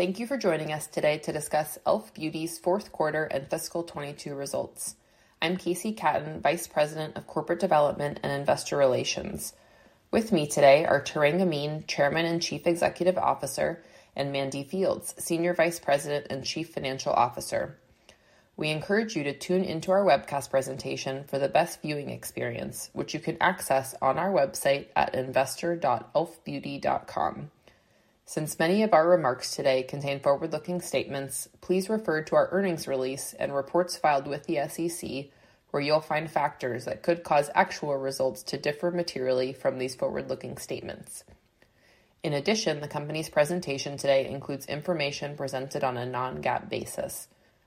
Thank you for joining us today to discuss E.L.F Beauty's fourth quarter and fiscal 2022 results. I'm KC Katten, Vice President of Corporate Development and Investor Relations. With me today are Tarang Amin, Chairman and Chief Executive Officer, and Mandy Fields, Senior Vice President and Chief Financial Officer. We encourage you to tune into our webcast presentation for the best viewing experience, which you can access on our website at investor.elfbeauty.com. Since many of our remarks today contain forward-looking statements, please refer to our earnings release and reports filed with the SEC where you'll find factors that could cause actual results to differ materially from these forward-looking statements. In addition, the company's presentation today includes information presented on a non-GAAP basis.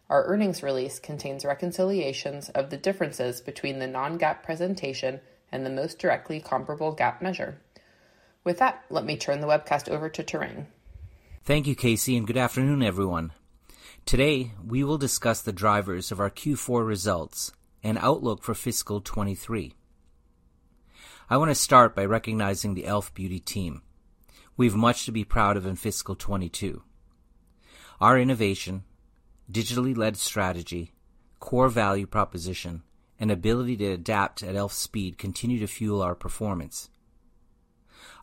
Our earnings release contains reconciliations of the differences between the non-GAAP presentation and the most directly comparable GAAP measure. With that, let me turn the webcast over to Tarang. Thank you, KC Katten, and good afternoon, everyone. Today, we will discuss the drivers of our Q4 results and outlook for fiscal 2023. I want to start by recognizing the E.L.F Beauty team. We've much to be proud of in fiscal 2022. Our innovation, digitally-led strategy, core value proposition, and ability to adapt at e.l.f. speed continue to fuel our performance.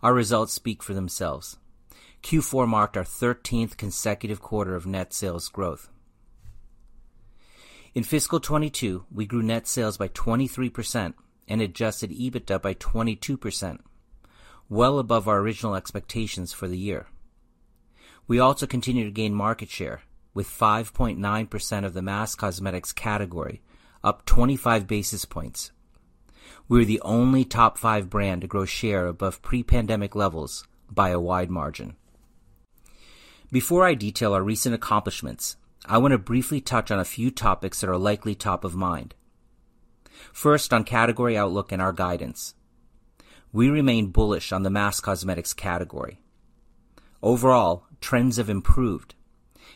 Our results speak for themselves. Q4 marked our 13th consecutive quarter of net sales growth. In fiscal 2022, we grew net sales by 23% and adjusted EBITDA by 22%, well above our original expectations for the year. We also continue to gain market share with 5.9% of the mass cosmetics category up 25 basis points. We're the only top five brand to grow share above pre-pandemic levels by a wide margin. Before I detail our recent accomplishments, I want to briefly touch on a few topics that are likely top of mind. First, on category outlook and our guidance. We remain bullish on the mass cosmetics category. Overall, trends have improved,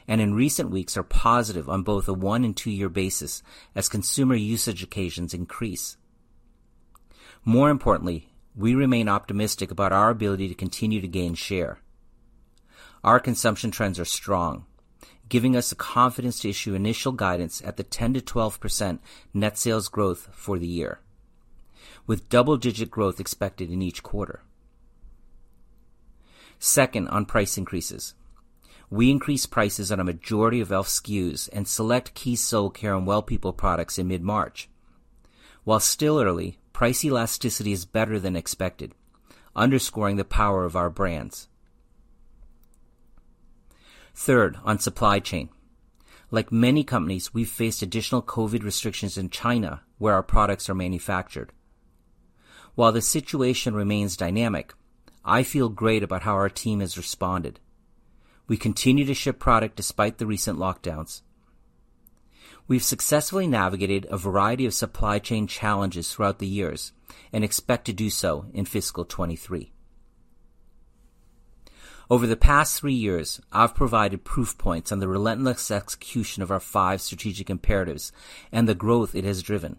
and in recent weeks are positive on both a one- and two-year basis as consumer usage occasions increase. More importantly, we remain optimistic about our ability to continue to gain share. Our consumption trends are strong, giving us the confidence to issue initial guidance at the 10%-12% net sales growth for the year, with double-digit growth expected in each quarter. Second, on price increases. We increased prices on a majority of E.L.F SKUs and select Keys Soulcare and Well People products in mid-March. While still early, price elasticity is better than expected, underscoring the power of our brands. Third, on supply chain. Like many companies, we faced additional COVID restrictions in China, where our products are manufactured. While the situation remains dynamic, I feel great about how our team has responded. We continue to ship product despite the recent lockdowns. We've successfully navigated a variety of supply chain challenges throughout the years and expect to do so in fiscal 2023. Over the past three years, I've provided proof points on the relentless execution of our five strategic imperatives and the growth it has driven.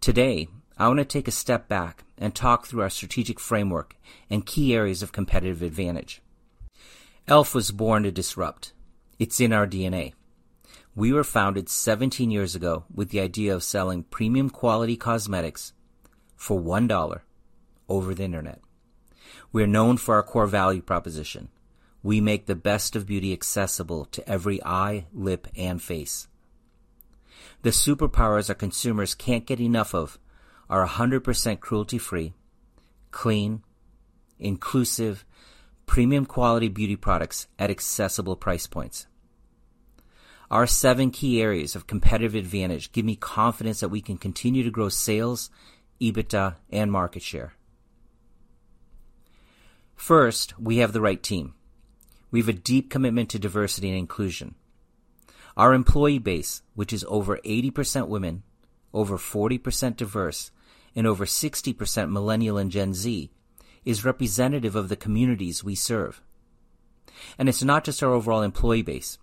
Today, I want to take a step back and talk through our strategic framework and key areas of competitive advantage. E.L.F was born to disrupt. It's in our DNA. We were founded 17 years ago with the idea of selling premium quality cosmetics for $1 over the Internet. We are known for our core value proposition. We make the best of beauty accessible to every eye, lip, and face. The superpowers our consumers can't get enough of are 100% cruelty-free, clean, inclusive, premium quality beauty products at accessible price points. Our seven key areas of competitive advantage give me confidence that we can continue to grow sales, EBITDA, and market share. First, we have the right team. We have a deep commitment to diversity and inclusion. Our employee base, which is over 80% women, over 40% diverse, and over 60% millennial and Gen Z, is representative of the communities we serve. It's not just our overall employee base.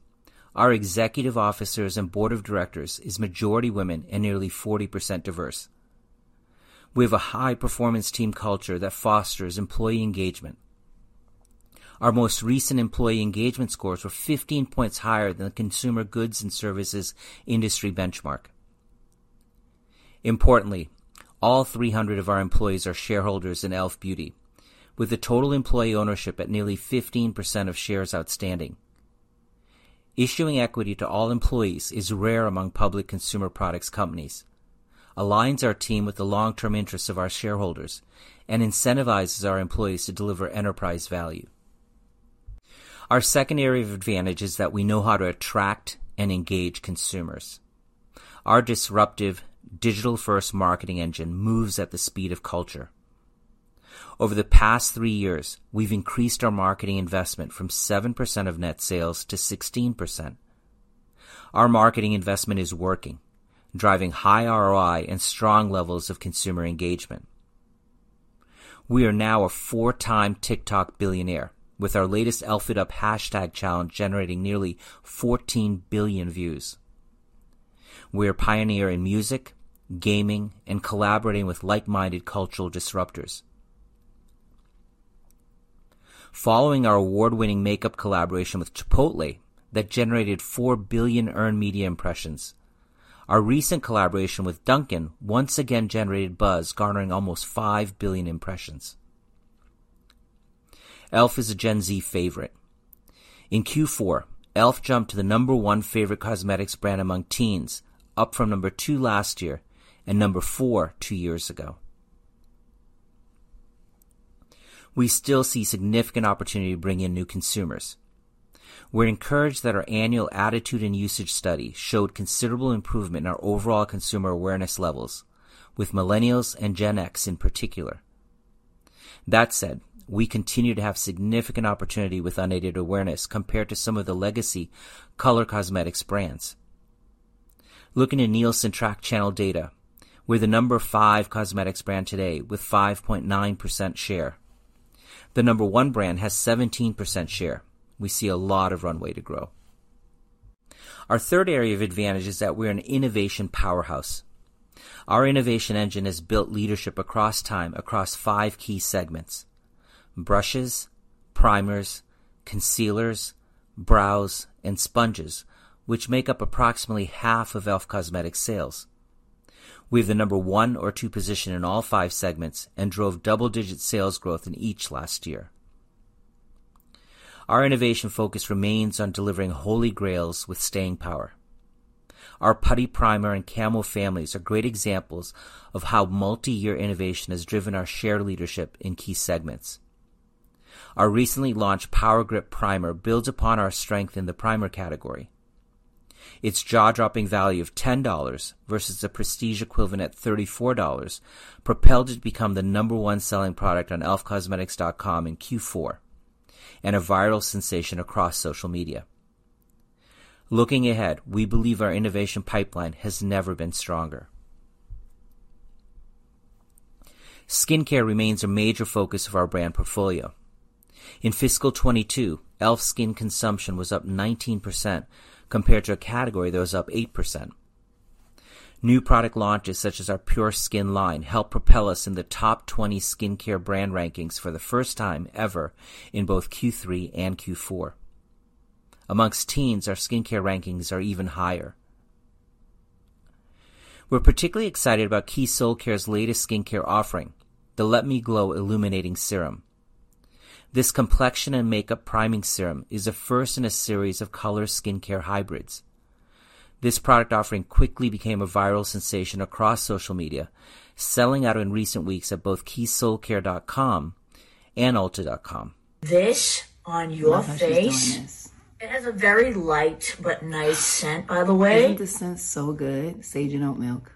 Our executive officers and board of directors is majority women and nearly 40% diverse. We have a high-performance team culture that fosters employee engagement. Our most recent employee engagement scores were 15 points higher than the consumer goods and services industry benchmark. Importantly, all 300 of our employees are shareholders in e.l.f. Beauty, with the total employee ownership at nearly 15% of shares outstanding. Issuing equity to all employees is rare among public consumer products companies, aligns our team with the long-term interests of our shareholders, and incentivizes our employees to deliver enterprise value. Our second area of advantage is that we know how to attract and engage consumers. Our disruptive digital-first marketing engine moves at the speed of culture. Over the past 3 years, we've increased our marketing investment from 7% of net sales to 16%. Our marketing investment is working, driving high ROI and strong levels of consumer engagement. We are now a four-time TikTok billionaire, with our latest #elfitup hashtag challenge generating nearly 14 billion views. We're a pioneer in music, gaming, and collaborating with like-minded cultural disruptors. Following our award-winning makeup collaboration with Chipotle that generated 4 billion earned media impressions, our recent collaboration with Dunkin' once again generated buzz, garnering almost 5 billion impressions. ELF is a Gen Z favorite. In Q4, ELF jumped to the number one favorite cosmetics brand among teens, up from number two last year and number four, two years ago. We still see significant opportunity to bring in new consumers. We're encouraged that our annual attitude and usage study showed considerable improvement in our overall consumer awareness levels with millennials and Gen X in particular. That said, we continue to have significant opportunity with unaided awareness compared to some of the legacy color cosmetics brands. Looking at Nielsen tracked channel data, we're the number five cosmetics brand today with 5.9% share. The number one brand has 17% share. We see a lot of runway to grow. Our third area of advantage is that we're an innovation powerhouse. Our innovation engine has built leadership over time across five key segments: brushes, primers, concealers, brows, and sponges, which make up approximately half of E.L.F Cosmetics sales. We have the number one or two position in all five segments and drove double-digit sales growth in each last year. Our innovation focus remains on delivering holy grails with staying power. Our Putty Primer and Camo families are great examples of how multi-year innovation has driven our share leadership in key segments. Our recently launched Power Grip Primer builds upon our strength in the primer category. Its jaw-dropping value of $10 versus a prestige equivalent at $34 propelled it to become the number one selling product on elfcosmetics.com in Q4 and a viral sensation across social media. Looking ahead, we believe our innovation pipeline has never been stronger. Skincare remains a major focus of our brand portfolio. In fiscal 2022, E.L.F SKIN consumption was up 19% compared to a category that was up 8%. New product launches, such as our Pure Skin line, helped propel us in the top 20 skincare brand rankings for the first time ever in both Q3 and Q4. Among teens, our skincare rankings are even higher. We're particularly excited about Keys Soulcare's latest skincare offering, the Let Me Glow Illuminating Serum. This complexion and makeup priming serum is the first in a series of color skincare hybrids. This product offering quickly became a viral sensation across social media, selling out in recent weeks at both keyssoulcare.com and ulta.com. This on your face. Love how she's doing this. It has a very light but nice scent, by the way. Isn't the scent so good? Sage and oat milk.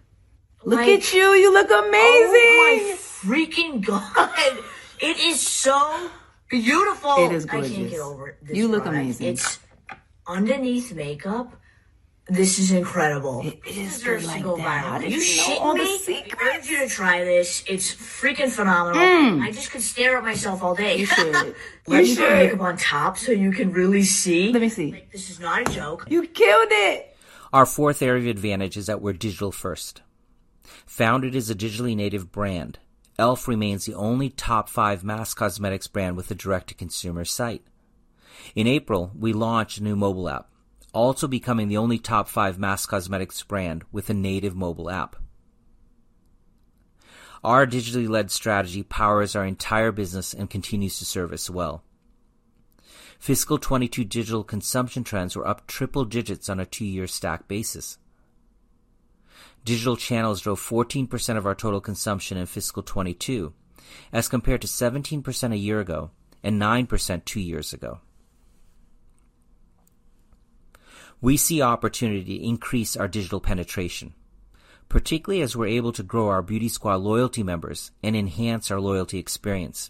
Look at you. You look amazing. Oh my freaking God. It is so beautiful. It is gorgeous. I can't get over this product. You look amazing. Underneath makeup, this is incredible. It is good like that. This deserves to go viral. Are you shitting me? Do you want all the makeup- I urge you to try this. It's freaking phenomenal. Mm. I just could stare at myself all day. You should. You should. Why do you have makeup on top so you can really see? Let me see. Like, this is not a joke. You killed it. Our fourth area of advantage is that we're digital first. Founded as a digitally native brand, E.L.F remains the only top five mass cosmetics brand with a direct-to-consumer site. In April, we launched a new mobile app, also becoming the only top five mass cosmetics brand with a native mobile app. Our digitally-led strategy powers our entire business and continues to serve us well. Fiscal 2022 digital consumption trends were up triple digits on a two-year stack basis. Digital channels drove 14% of our total consumption in fiscal 2022 as compared to 17% a year ago and 9% two years ago. We see opportunity to increase our digital penetration, particularly as we're able to grow our Beauty Squad loyalty members and enhance our loyalty experience.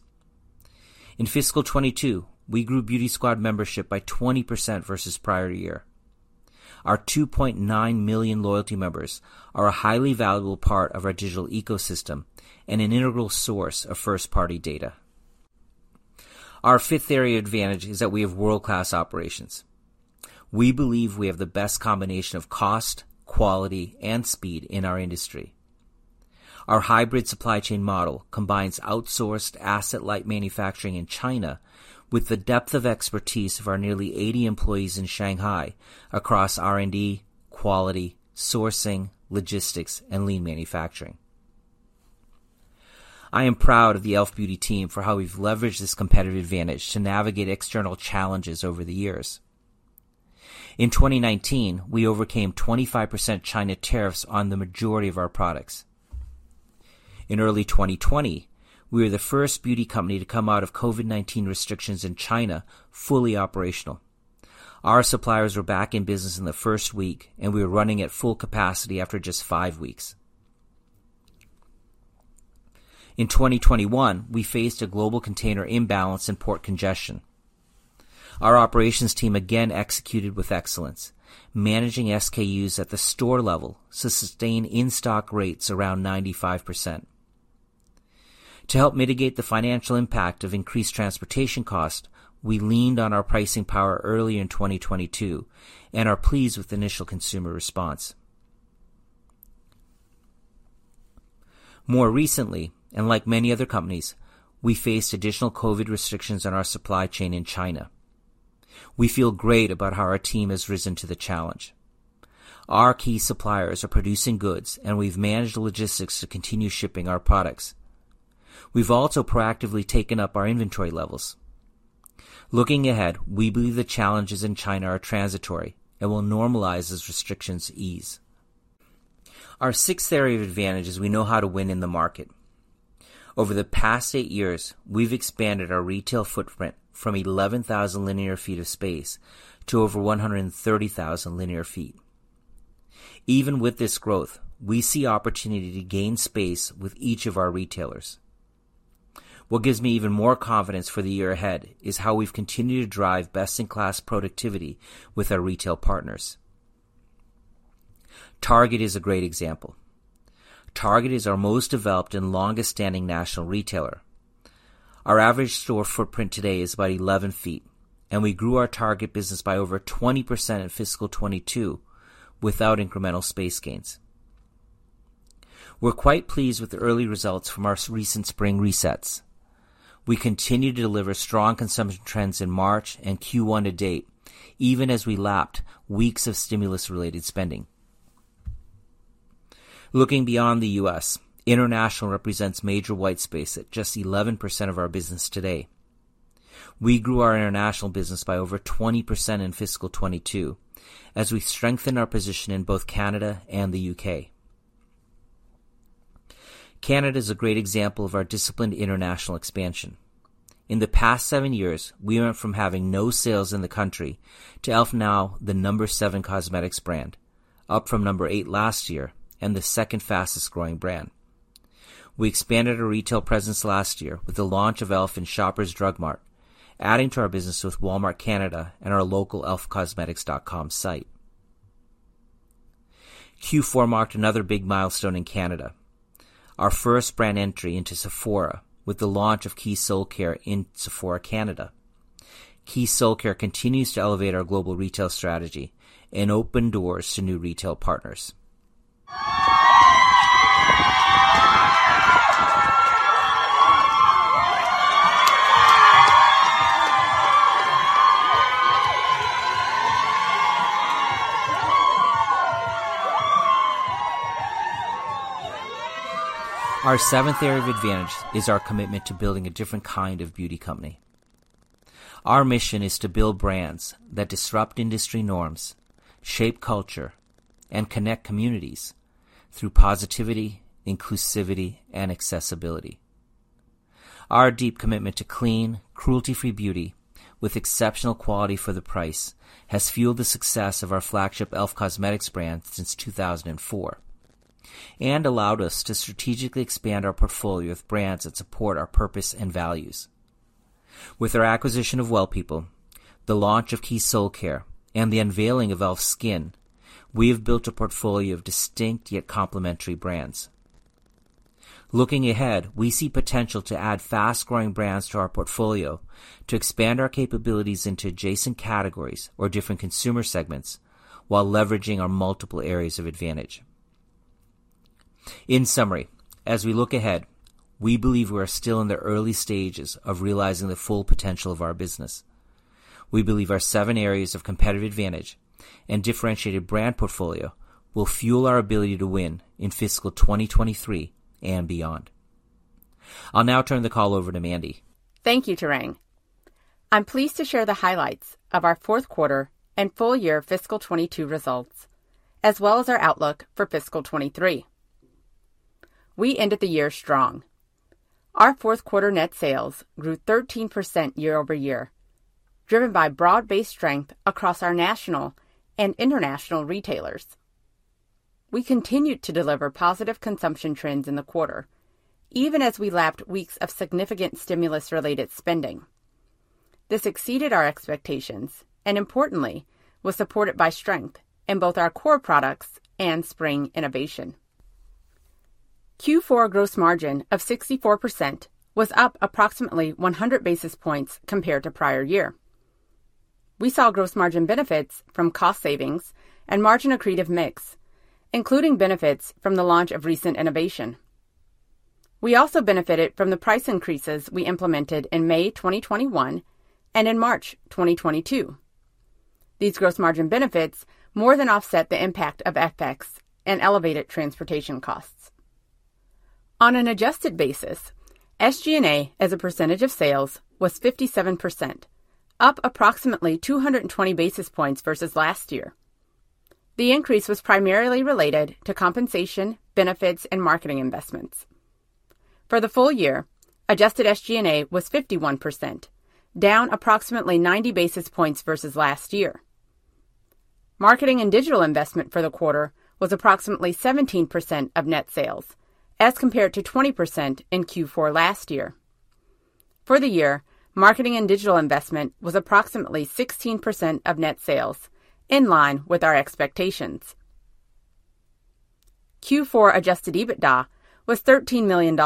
In fiscal 2022, we grew Beauty Squad membership by 20% versus prior year. Our 2.9 million loyalty members are a highly valuable part of our digital ecosystem and an integral source of first-party data. Our fifth area of advantage is that we have world-class operations. We believe we have the best combination of cost, quality, and speed in our industry. Our hybrid supply chain model combines outsourced asset-light manufacturing in China with the depth of expertise of our nearly 80 employees in Shanghai across R&D, quality, sourcing, logistics, and lean manufacturing. I am proud of the e.l.f. Beauty team for how we've leveraged this competitive advantage to navigate external challenges over the years. In 2019, we overcame 25% China tariffs on the majority of our products. In early 2020, we were the first beauty company to come out of COVID-19 restrictions in China fully operational. Our suppliers were back in business in the first week, and we were running at full capacity after just five weeks. In 2021, we faced a global container imbalance and port congestion. Our operations team again executed with excellence, managing SKUs at the store level to sustain in-stock rates around 95%. To help mitigate the financial impact of increased transportation cost, we leaned on our pricing power early in 2022 and are pleased with initial consumer response. More recently, and like many other companies, we faced additional COVID restrictions on our supply chain in China. We feel great about how our team has risen to the challenge. Our key suppliers are producing goods, and we've managed the logistics to continue shipping our products. We've also proactively taken up our inventory levels. Looking ahead, we believe the challenges in China are transitory and will normalize as restrictions ease. Our sixth area of advantage is we know how to win in the market. Over the past eight years, we've expanded our retail footprint from 11,000 linear feet of space to over 130,000 linear feet. Even with this growth, we see opportunity to gain space with each of our retailers. What gives me even more confidence for the year ahead is how we've continued to drive best-in-class productivity with our retail partners. Target is a great example. Target is our most developed and longest-standing national retailer. Our average store footprint today is about 11 feet, and we grew our Target business by over 20% in fiscal 2022 without incremental space gains. We're quite pleased with the early results from our recent spring resets. We continue to deliver strong consumption trends in March and Q1 to date, even as we lapped weeks of stimulus-related spending. Looking beyond the U.S., international represents major white space at just 11% of our business today. We grew our international business by over 20% in fiscal 2022 as we strengthened our position in both Canada and the U.K. Canada is a great example of our disciplined international expansion. In the past seven years, we went from having no sales in the country to E.L.F now the number seven cosmetics brand, up from number eight last year and the second fastest-growing brand. We expanded our retail presence last year with the launch of E.L.F in Shoppers Drug Mart, adding to our business with Walmart Canada and our local elfcosmetics.com site. Q4 marked another big milestone in Canada, our first brand entry into Sephora with the launch of Keys Soulcare in Sephora Canada. Keys Soulcare continues to elevate our global retail strategy and open doors to new retail partners. Our seventh area of advantage is our commitment to building a different kind of beauty company. Our mission is to build brands that disrupt industry norms, shape culture, and connect communities through positivity, inclusivity, and accessibility. Our deep commitment to clean, cruelty-free beauty with exceptional quality for the price has fueled the success of our flagship E.L.F Cosmetics brand since 2004 and allowed us to strategically expand our portfolio of brands that support our purpose and values. With our acquisition of Well People, the launch of Keys Soulcare, and the unveiling of E.L.F SKIN, we have built a portfolio of distinct yet complementary brands. Looking ahead, we see potential to add fast-growing brands to our portfolio to expand our capabilities into adjacent categories or different consumer segments while leveraging our multiple areas of advantage. In summary, as we look ahead, we believe we are still in the early stages of realizing the full potential of our business. We believe our seven areas of competitive advantage and differentiated brand portfolio will fuel our ability to win in fiscal 2023 and beyond. I'll now turn the call over to Mandy. Thank you, Tarang. I'm pleased to share the highlights of our fourth quarter and full year fiscal 2022 results, as well as our outlook for fiscal 2023. We ended the year strong. Our fourth quarter net sales grew 13% year-over-year, driven by broad-based strength across our national and international retailers. We continued to deliver positive consumption trends in the quarter, even as we lapped weeks of significant stimulus-related spending. This exceeded our expectations and importantly, was supported by strength in both our core products and spring innovation. Q4 gross margin of 64% was up approximately 100 basis points compared to prior year. We saw gross margin benefits from cost savings and margin accretive mix, including benefits from the launch of recent innovation. We also benefited from the price increases we implemented in May 2021 and in March 2022. These gross margin benefits more than offset the impact of FX and elevated transportation costs. On an adjusted basis, SG&A as a percentage of sales was 57%, up approximately 220 basis points versus last year. The increase was primarily related to compensation, benefits, and marketing investments. For the full year, adjusted SG&A was 51%, down approximately 90 basis points versus last year. Marketing and digital investment for the quarter was approximately 17% of net sales as compared to 20% in Q4 last year. For the year, marketing and digital investment was approximately 16% of net sales, in line with our expectations. Q4 adjusted EBITDA was $13 million.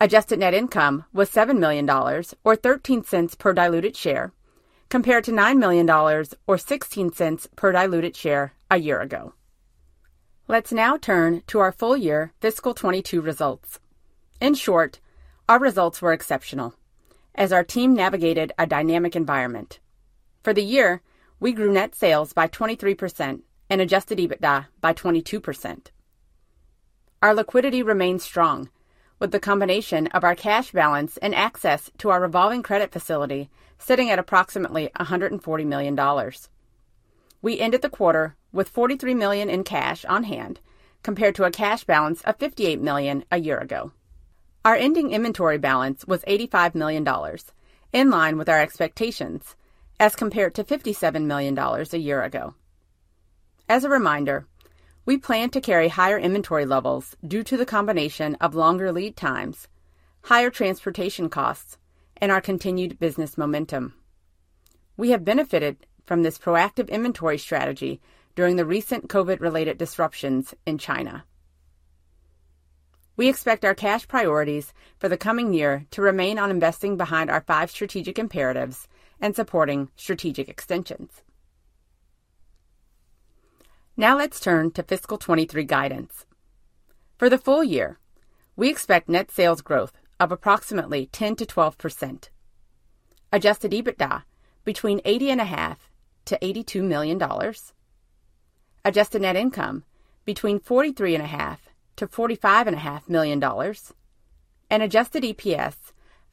Adjusted net income was $7 million or $0.13 per diluted share, compared to $9 million or $0.16 per diluted share a year ago. Let's now turn to our full year fiscal 2022 results. In short, our results were exceptional as our team navigated a dynamic environment. For the year, we grew net sales by 23% and adjusted EBITDA by 22%. Our liquidity remains strong with the combination of our cash balance and access to our revolving credit facility sitting at approximately $140 million. We ended the quarter with $43 million in cash on hand, compared to a cash balance of $58 million a year ago. Our ending inventory balance was $85 million, in line with our expectations as compared to $57 million a year ago. As a reminder, we plan to carry higher inventory levels due to the combination of longer lead times, higher transportation costs, and our continued business momentum. We have benefited from this proactive inventory strategy during the recent COVID-related disruptions in China. We expect our cash priorities for the coming year to remain on investing behind our five strategic imperatives and supporting strategic extensions. Now let's turn to fiscal 2023 guidance. For the full year, we expect net sales growth of approximately 10%-12%. Adjusted EBITDA between $80.5 million-$82 million. Adjusted net income between $43.5 million-$45.5 million. Adjusted EPS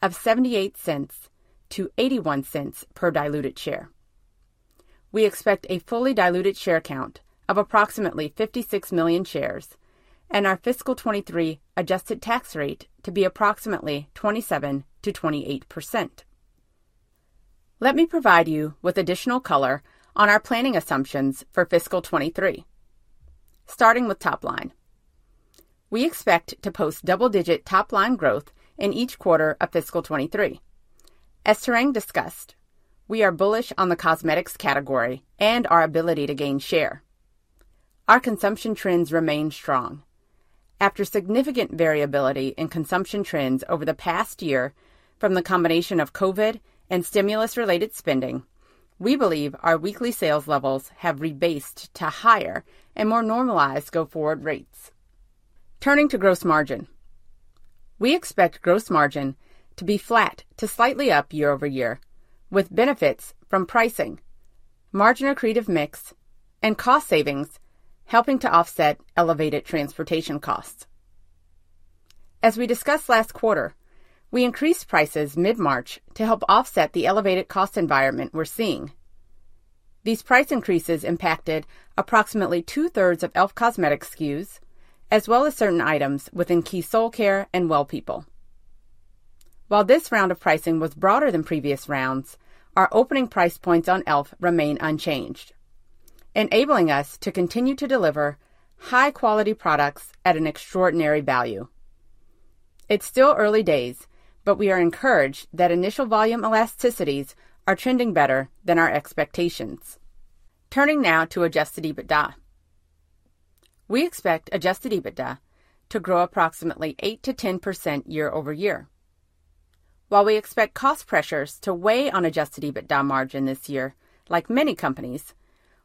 of $0.78-$0.81 per diluted share. We expect a fully diluted share count of approximately 56 million shares and our fiscal 2023 adjusted tax rate to be approximately 27%-28%. Let me provide you with additional color on our planning assumptions for fiscal 2023. Starting with top line. We expect to post double-digit top line growth in each quarter of fiscal 2023. As Tarang discussed, we are bullish on the cosmetics category and our ability to gain share. Our consumption trends remain strong. After significant variability in consumption trends over the past year from the combination of COVID and stimulus-related spending, we believe our weekly sales levels have rebased to higher and more normalized go forward rates. Turning to gross margin. We expect gross margin to be flat to slightly up year-over-year, with benefits from pricing, margin accretive mix, and cost savings helping to offset elevated transportation costs. As we discussed last quarter, we increased prices mid-March to help offset the elevated cost environment we're seeing. These price increases impacted approximately two-thirds of E.L.F Cosmetics SKUs, as well as certain items within Keys Soulcare and Well People. While this round of pricing was broader than previous rounds, our opening price points on E.L.F. remain unchanged, enabling us to continue to deliver high quality products at an extraordinary value. It's still early days, but we are encouraged that initial volume elasticities are trending better than our expectations. Turning now to adjusted EBITDA. We expect adjusted EBITDA to grow approximately 8%-10% year-over-year. While we expect cost pressures to weigh on adjusted EBITDA margin this year, like many companies,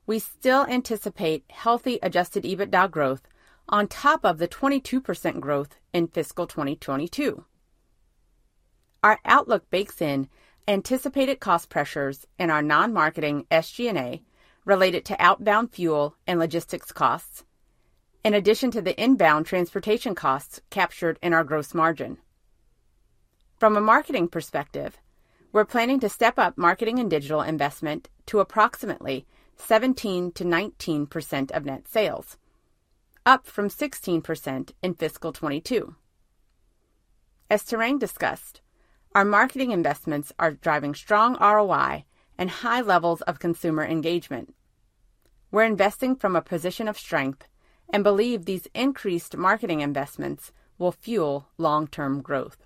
we still anticipate healthy adjusted EBITDA growth on top of the 22% growth in fiscal 2022. Our outlook bakes in anticipated cost pressures in our non-marketing SG&A related to outbound fuel and logistics costs, in addition to the inbound transportation costs captured in our gross margin. From a marketing perspective, we're planning to step up marketing and digital investment to approximately 17%-19% of net sales, up from 16% in fiscal 2022. As Tarang discussed, our marketing investments are driving strong ROI and high levels of consumer engagement. We're investing from a position of strength and believe these increased marketing investments will fuel long-term growth.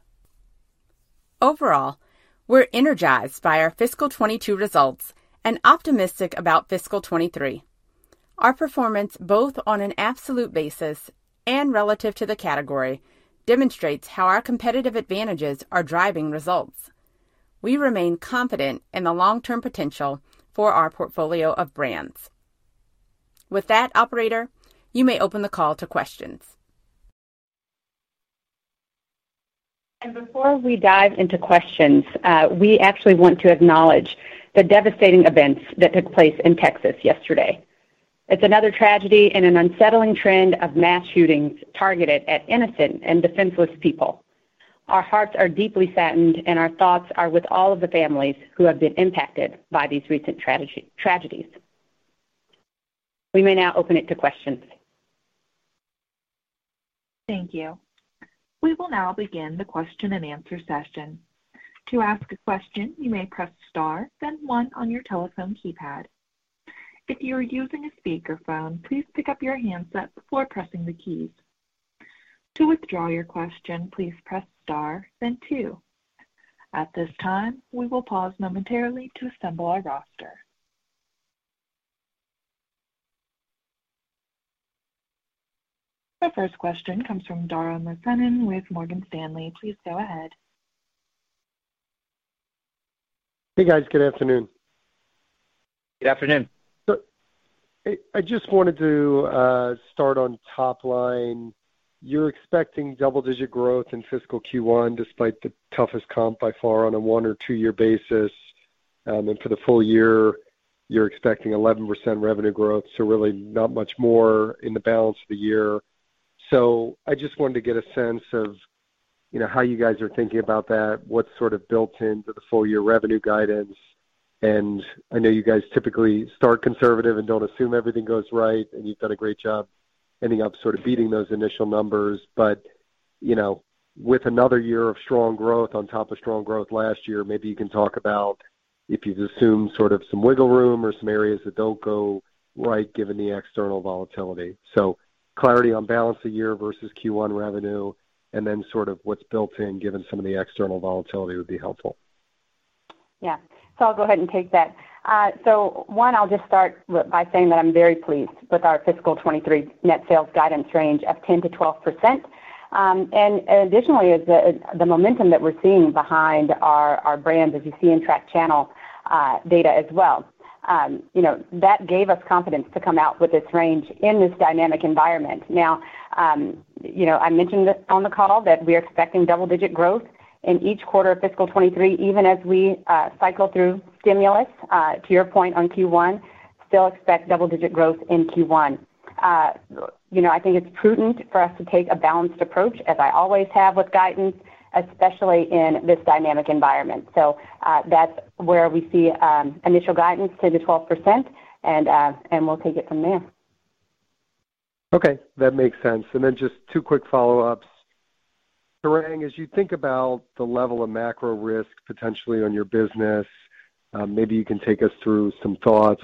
Overall, we're energized by our fiscal 2022 results and optimistic about fiscal 2023. Our performance, both on an absolute basis and relative to the category, demonstrates how our competitive advantages are driving results. We remain confident in the long-term potential for our portfolio of brands. With that, operator, you may open the call to questions. Before we dive into questions, we actually want to acknowledge the devastating events that took place in Texas yesterday. It's another tragedy in an unsettling trend of mass shootings targeted at innocent and defenseless people. Our hearts are deeply saddened, and our thoughts are with all of the families who have been impacted by these recent tragedies. We may now open it to questions. Thank you. We will now begin the question and answer session. To ask a question, you may press star then one on your telephone keypad. If you are using a speakerphone, please pick up your handset before pressing the keys. To withdraw your question, please press Star then two. At this time, we will pause momentarily to assemble our roster. The first question comes from Dara Mohsenian with Morgan Stanley. Please go ahead. Hey, guys. Good afternoon. Good afternoon. I just wanted to start on top line. You're expecting double-digit growth in fiscal Q1 despite the toughest comp by far on a one- or two-year basis. For the full year, you're expecting 11% revenue growth, so really not much more in the balance of the year. I just wanted to get a sense of, you know, how you guys are thinking about that, what's sort of built into the full year revenue guidance. I know you guys typically start conservative and don't assume everything goes right, and you've done a great job ending up sort of beating those initial numbers. You know, with another year of strong growth on top of strong growth last year, maybe you can talk about if you've assumed sort of some wiggle room or some areas that don't go right given the external volatility. Clarity on balance of the year versus Q1 revenue and then sort of what's built in, given some of the external volatility, would be helpful. Yeah. I'll go ahead and take that. One, I'll just start by saying that I'm very pleased with our fiscal 2023 net sales guidance range of 10%-12%. Additionally is the momentum that we're seeing behind our brands as you see in tracked channel data as well. You know, that gave us confidence to come out with this range in this dynamic environment. Now, you know, I mentioned on the call that we're expecting double-digit growth in each quarter of fiscal 2023, even as we cycle through stimulus. To your point on Q1, still expect double-digit growth in Q1. You know, I think it's prudent for us to take a balanced approach, as I always have with guidance, especially in this dynamic environment. That's where we see initial guidance 10%-12%, and we'll take it from there. Okay, that makes sense. Just two quick follow-ups. Tarang, as you think about the level of macro risk potentially on your business, maybe you can take us through some thoughts,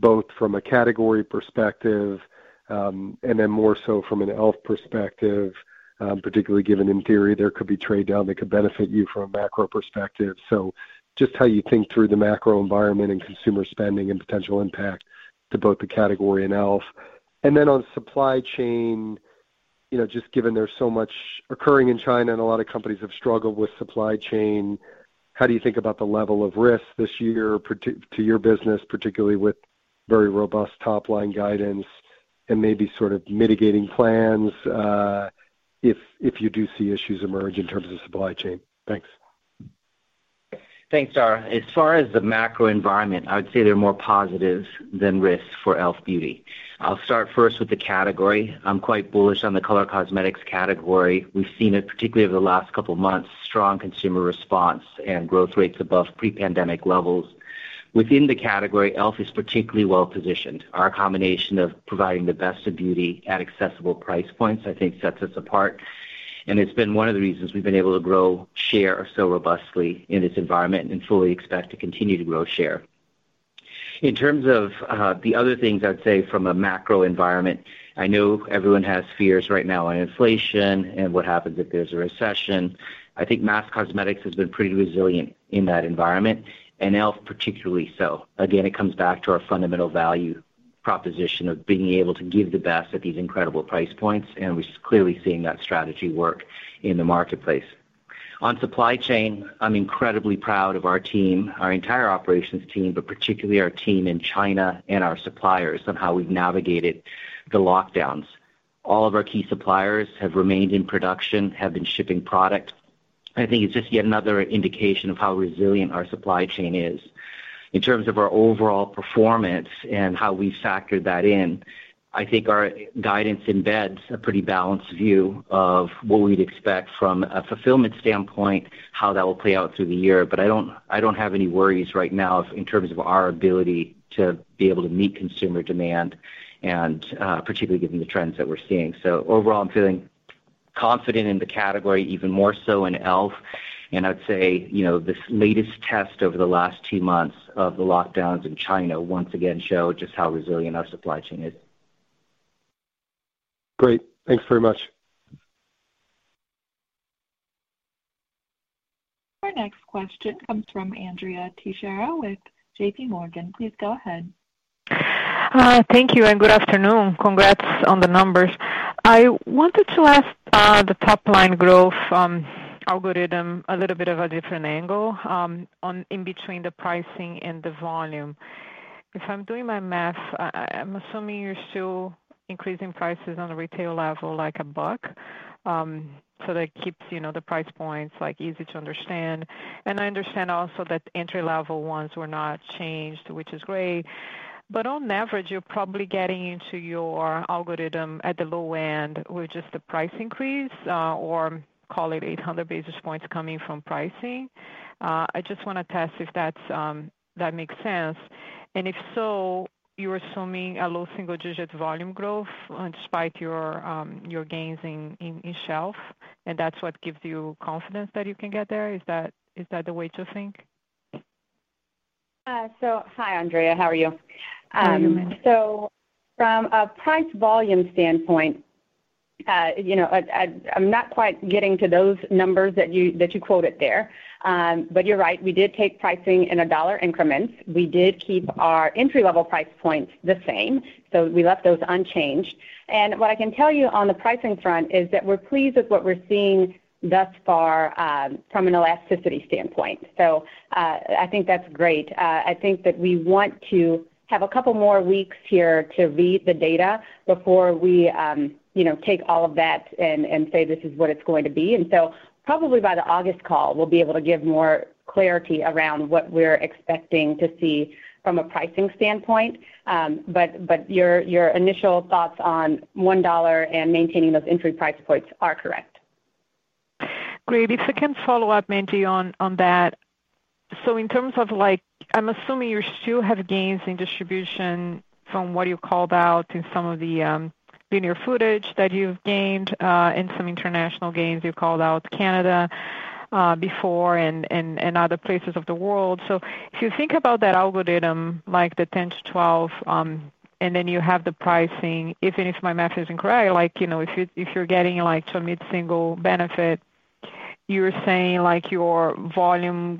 both from a category perspective, and then more so from an e.l.f. perspective, particularly given in theory, there could be trade down that could benefit you from a macro perspective. Just how you think through the macro environment and consumer spending and potential impact to both the category and e.l.f. Then on supply chain, you know, just given there's so much occurring in China and a lot of companies have struggled with supply chain, how do you think about the level of risk this year part-to your business, particularly with very robust top line guidance and maybe sort of mitigating plans, if you do see issues emerge in terms of supply chain? Thanks. Thanks, Dara. As far as the macro environment, I would say they're more positives than risks for E.L.F Beauty. I'll start first with the category. I'm quite bullish on the color cosmetics category. We've seen it, particularly over the last couple of months, strong consumer response and growth rates above pre-pandemic levels. Within the category, E.L.F is particularly well positioned. Our combination of providing the best of beauty at accessible price points, I think sets us apart, and it's been one of the reasons we've been able to grow share so robustly in this environment and fully expect to continue to grow share. In terms of the other things I'd say from a macro environment, I know everyone has fears right now on inflation and what happens if there's a recession. I think mass cosmetics has been pretty resilient in that environment, and E.L.F particularly so. Again, it comes back to our fundamental value proposition of being able to give the best at these incredible price points, and we're clearly seeing that strategy work in the marketplace. On supply chain, I'm incredibly proud of our team, our entire operations team, but particularly our team in China and our suppliers on how we've navigated the lockdowns. All of our key suppliers have remained in production, have been shipping product. I think it's just yet another indication of how resilient our supply chain is. In terms of our overall performance and how we've factored that in, I think our guidance embeds a pretty balanced view of what we'd expect from a fulfillment standpoint, how that will play out through the year. I don't have any worries right now in terms of our ability to be able to meet consumer demand and particularly given the trends that we're seeing. Overall, I'm feeling confident in the category, even more so in E.L.F I'd say, you know, this latest test over the last two months of the lockdowns in China once again showed just how resilient our supply chain is. Great. Thanks very much. Our next question comes from Andrea Teixeira with J.P. Morgan. Please go ahead. Thank you, and good afternoon. Congrats on the numbers. I wanted to ask, the top-line growth algorithm a little bit of a different angle, on in between the pricing and the volume. If I'm doing my math, I'm assuming you're still increasing prices on a retail level like a buck, so that keeps, you know, the price points like easy to understand. I understand also that entry-level ones were not changed, which is great. On average, you're probably getting into your algorithm at the low end with just the price increase, or call it 800 basis points coming from pricing. I just want to test if that makes sense. If so, you're assuming a low single-digit volume growth despite your gains in shelf, and that's what gives you confidence that you can get there? Is that the way to think? Hi Andrea, how are you? Hi, Mandy. From a price volume standpoint, I'm not quite getting to those numbers that you quoted there. You're right, we did take pricing in dollar increments. We did keep our entry level price points the same, so we left those unchanged. What I can tell you on the pricing front is that we're pleased with what we're seeing thus far from an elasticity standpoint. I think that's great. I think that we want to have a couple more weeks here to read the data before we take all of that and say this is what it's going to be. Probably by the August call we'll be able to give more clarity around what we're expecting to see from a pricing standpoint. Your initial thoughts on $1 and maintaining those entry price points are correct. Great. If I can follow up, Mandy, on that. In terms of like, I'm assuming you still have gains in distribution from what you called out in some of the linear footage that you've gained in some international gains. You called out Canada before and other places of the world. If you think about that algorithm, like the 10-12 and then you have the pricing, and if my math isn't correct, like, you know, if you're getting like to mid-single benefit, you're saying like your volume.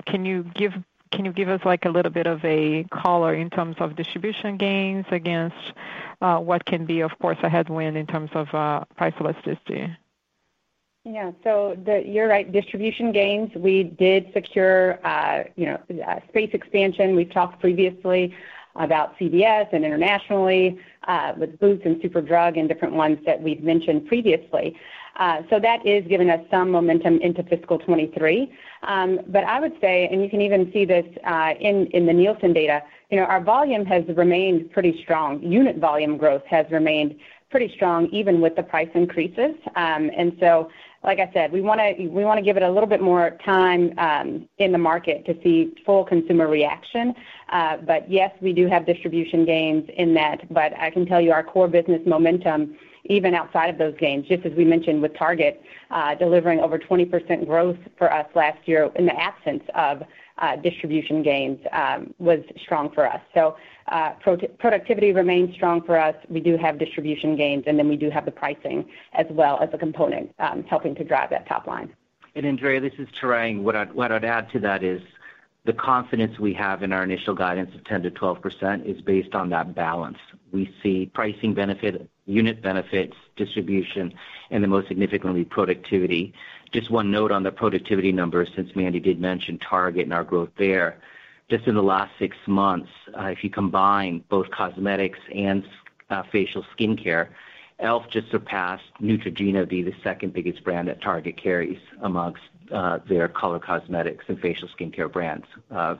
Can you give us like a little bit of a color in terms of distribution gains against what can be of course a headwind in terms of price elasticity? Yeah. You're right, distribution gains, we did secure, you know, space expansion. We've talked previously about CVS and internationally, with Boots and Superdrug and different ones that we've mentioned previously. That is giving us some momentum into fiscal 2023. I would say, and you can even see this, in the Nielsen data, you know, our volume has remained pretty strong. Unit volume growth has remained pretty strong even with the price increases. Like I said, we want to give it a little bit more time in the market to see full consumer reaction. Yes, we do have distribution gains in that, but I can tell you our core business momentum, even outside of those gains, just as we mentioned with Target, delivering over 20% growth for us last year in the absence of distribution gains, was strong for us. Our productivity remains strong for us. We do have distribution gains, and then we do have the pricing as well as a component helping to drive that top line. Andrea, this is Tarang. What I'd add to that is the confidence we have in our initial guidance of 10%-12% is based on that balance. We see pricing benefit, unit benefits, distribution, and the most significant productivity. Just one note on the productivity numbers, since Mandy did mention Target and our growth there. Just in the last six months, if you combine both cosmetics and facial skincare, E.L.F just surpassed Neutrogena to be the second biggest brand that Target carries amongst their color cosmetics and facial skincare brands.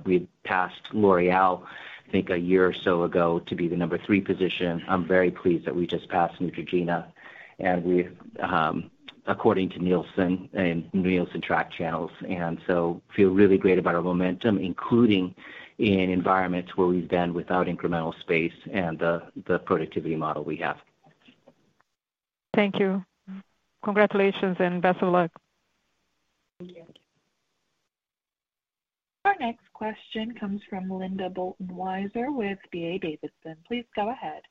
We passed L'Oréal, I think a year or so ago to be the number three position. I'm very pleased that we just passed Neutrogena and we, according to Nielsen and Nielsen-tracked channels, feel really great about our momentum, including in environments where we've been without incremental space and the productivity model we have. Thank you. Congratulations and best of luck. Thank you. Our next question comes from Linda Bolton Weiser with D.A. Davidson. Please go ahead.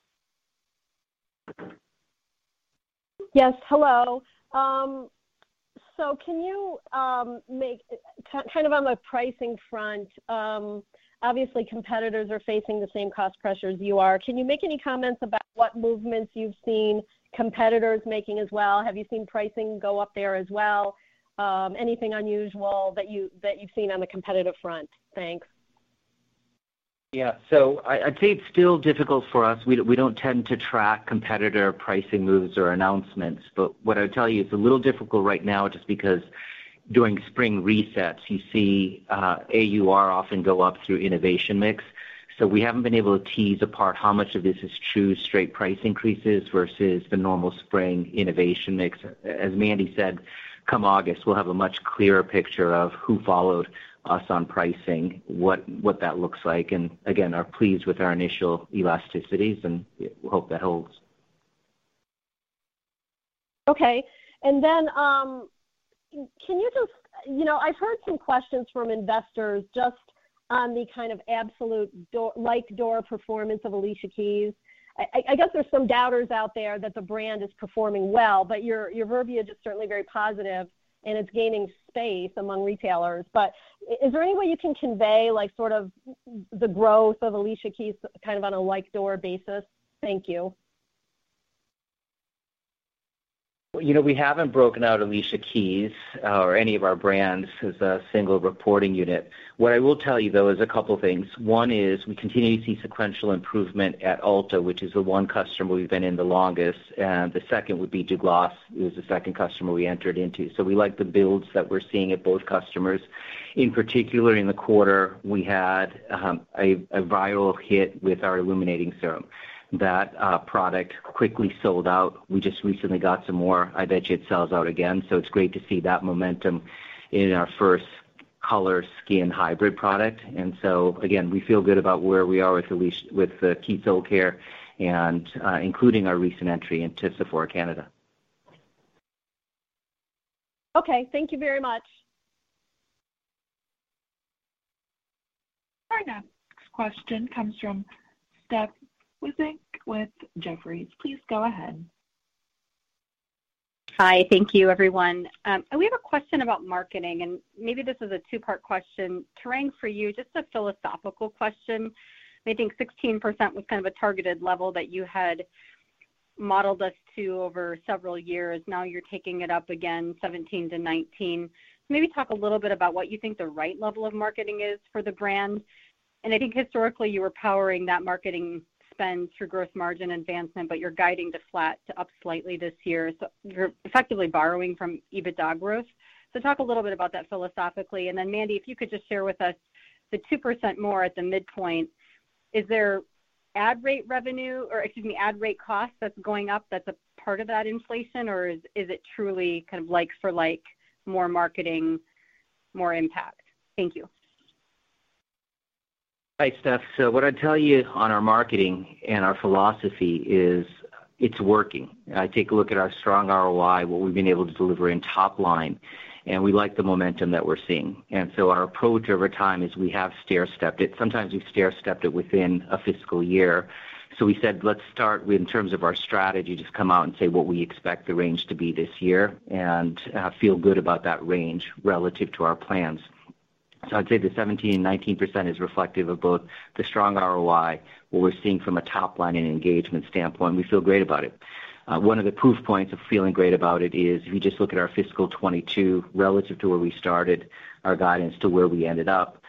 Yes, hello. On the pricing front, obviously competitors are facing the same cost pressure as you are. Can you make any comments about what movements you've seen competitors making as well? Have you seen pricing go up there as well? Anything unusual that you've seen on the competitive front? Thanks. Yeah. I'd say it's still difficult for us. We don't tend to track competitor pricing moves or announcements, but what I would tell you, it's a little difficult right now just because during spring resets you see, AUR often go up through innovation mix. We haven't been able to tease apart how much of this is true straight price increases versus the normal spring innovation mix. As Mandy said, come August, we'll have a much clearer picture of who followed us on pricing, what that looks like, and again, are pleased with our initial elasticities and we hope that holds. Can you just. You know, I've heard some questions from investors just on the kind of absolute door performance of Alicia Keys. I guess there's some doubters out there that the brand is performing well, but your verbiage is certainly very positive and it's gaining space among retailers. Is there any way you can convey like sort of the growth of Alicia Keys kind of on a like door basis? Thank you. You know, we haven't broken out Alicia Keys or any of our brands as a single reporting unit. What I will tell you though is a couple things. One is we continue to see sequential improvement at Ulta, which is the one customer we've been in the longest, and the second would be Douglas is the second customer we entered into. We like the builds that we're seeing at both customers. In particular in the quarter, we had a viral hit with our illuminating serum. That product quickly sold out. We just recently got some more. I bet you it sells out again. It's great to see that momentum in our first color skin hybrid product. We feel good about where we are with Keys Soulcare and including our recent entry into Sephora Canada. Okay, thank you very much. Our next question comes from Steph Wissink with Jefferies. Please go ahead. Hi. Thank you, everyone. We have a question about marketing, and maybe this is a two-part question. Tarang, for you, just a philosophical question. I think 16% was kind of a targeted level that you had modeled us to over several years. Now you're taking it up again 17%-19%. Maybe talk a little bit about what you think the right level of marketing is for the brand. I think historically you were powering that marketing spend through growth margin advancement, but you're guiding to flat to up slightly this year. You're effectively borrowing from EBITDA growth. Talk a little bit about that philosophically. Then Mandy, if you could just share with us the 2% more at the midpoint, is there ad rate revenue or, excuse me, ad rate cost that's going up that's a part of that inflation, or is it truly kind of like for like more marketing, more impact? Thank you. Hi, Steph. What I'd tell you on our marketing and our philosophy is it's working. I take a look at our strong ROI, what we've been able to deliver in top line, and we like the momentum that we're seeing. Our approach over time is we have stair-stepped it. Sometimes we've stair-stepped it within a fiscal year. We said, let's start in terms of our strategy, just come out and say what we expect the range to be this year and feel good about that range relative to our plans. I'd say the 17%-19% is reflective of both the strong ROI, what we're seeing from a top line and engagement standpoint. We feel great about it. One of the proof points of feeling great about it is if you just look at our fiscal 2022 relative to where we started our guidance to where we ended up,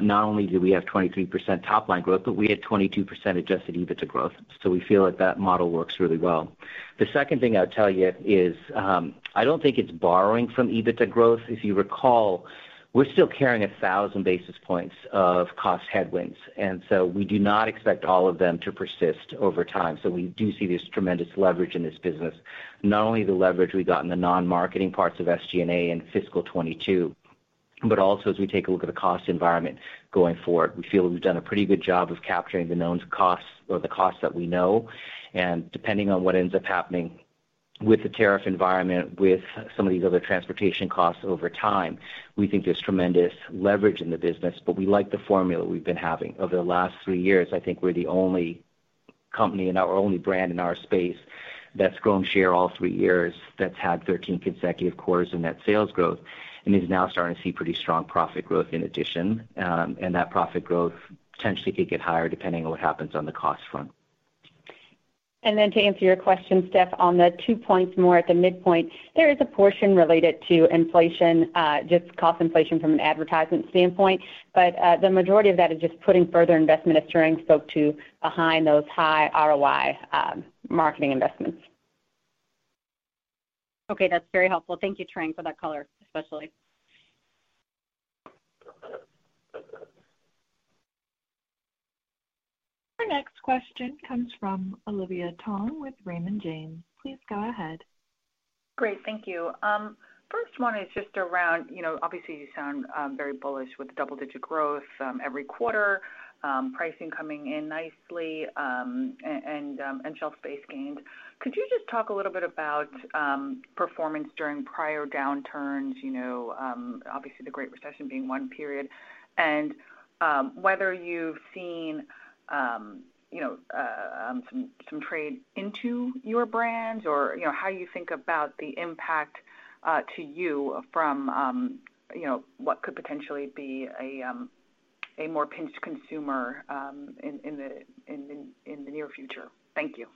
not only do we have 23% top line growth, but we had 22% adjusted EBITDA growth. We feel like that model works really well. The second thing I'd tell you is, I don't think it's borrowing from EBITDA growth. If you recall, we're still carrying 1,000 basis points of cost headwinds, and so we do not expect all of them to persist over time. We do see this tremendous leverage in this business. Not only the leverage we got in the non-marketing parts of SG&A in fiscal 2022, but also as we take a look at the cost environment going forward, we feel we've done a pretty good job of capturing the known costs or the costs that we know. Depending on what ends up happening with the tariff environment, with some of these other transportation costs over time, we think there's tremendous leverage in the business, but we like the formula we've been having. Over the last three years, I think we're the only company and our only brand in our space that's grown share all three years, that's had 13 consecutive quarters in net sales growth and is now starting to see pretty strong profit growth in addition. That profit growth potentially could get higher depending on what happens on the cost front. To answer your question, Steph, on the two points more at the midpoint, there is a portion related to inflation, just cost inflation from an advertising standpoint. The majority of that is just putting further investment, as Tarang spoke to, behind those high ROI marketing investments. Okay. That's very helpful. Thank you, Tarang, for that color especially. Our next question comes from Olivia Tong with Raymond James. Please go ahead. Great. Thank you. First one is just around, you know, obviously you sound very bullish with double-digit growth every quarter, pricing coming in nicely, and shelf space gained. Could you just talk a little bit about performance during prior downturns? You know, obviously the Great Recession being one period. Whether you've seen, you know, some trade into your brand or, you know, how you think about the impact to you from, you know, what could potentially be a more pinched consumer in the near future. Thank you.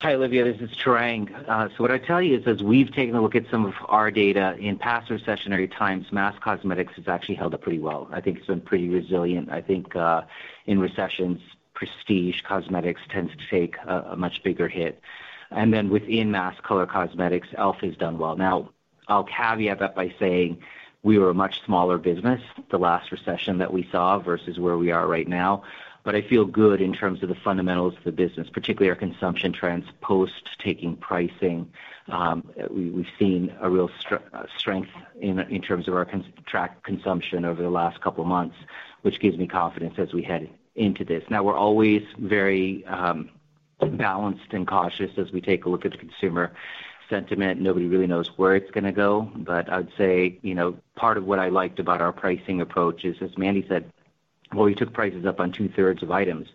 Hi, Olivia Tong, this is Tarang Amin. What I'd tell you is, as we've taken a look at some of our data in past recessionary times, mass cosmetics has actually held up pretty well. I think it's been pretty resilient. I think in recessions, prestige cosmetics tends to take a much bigger hit. Within mass color cosmetics,E.L.F has done well. Now, I'll caveat that by saying we were a much smaller business the last recession that we saw versus where we are right now. I feel good in terms of the fundamentals of the business, particularly our consumption trends, post-taking pricing. We've seen a real strength in terms of our consumer consumption over the last couple of months, which gives me confidence as we head into this. Now, we're always very, balanced and cautious as we take a look at the consumer sentiment. Nobody really knows where it's gonna go. I would say, you know, part of what I liked about our pricing approach is, as Mandy said, while we took prices up on two-thirds of items,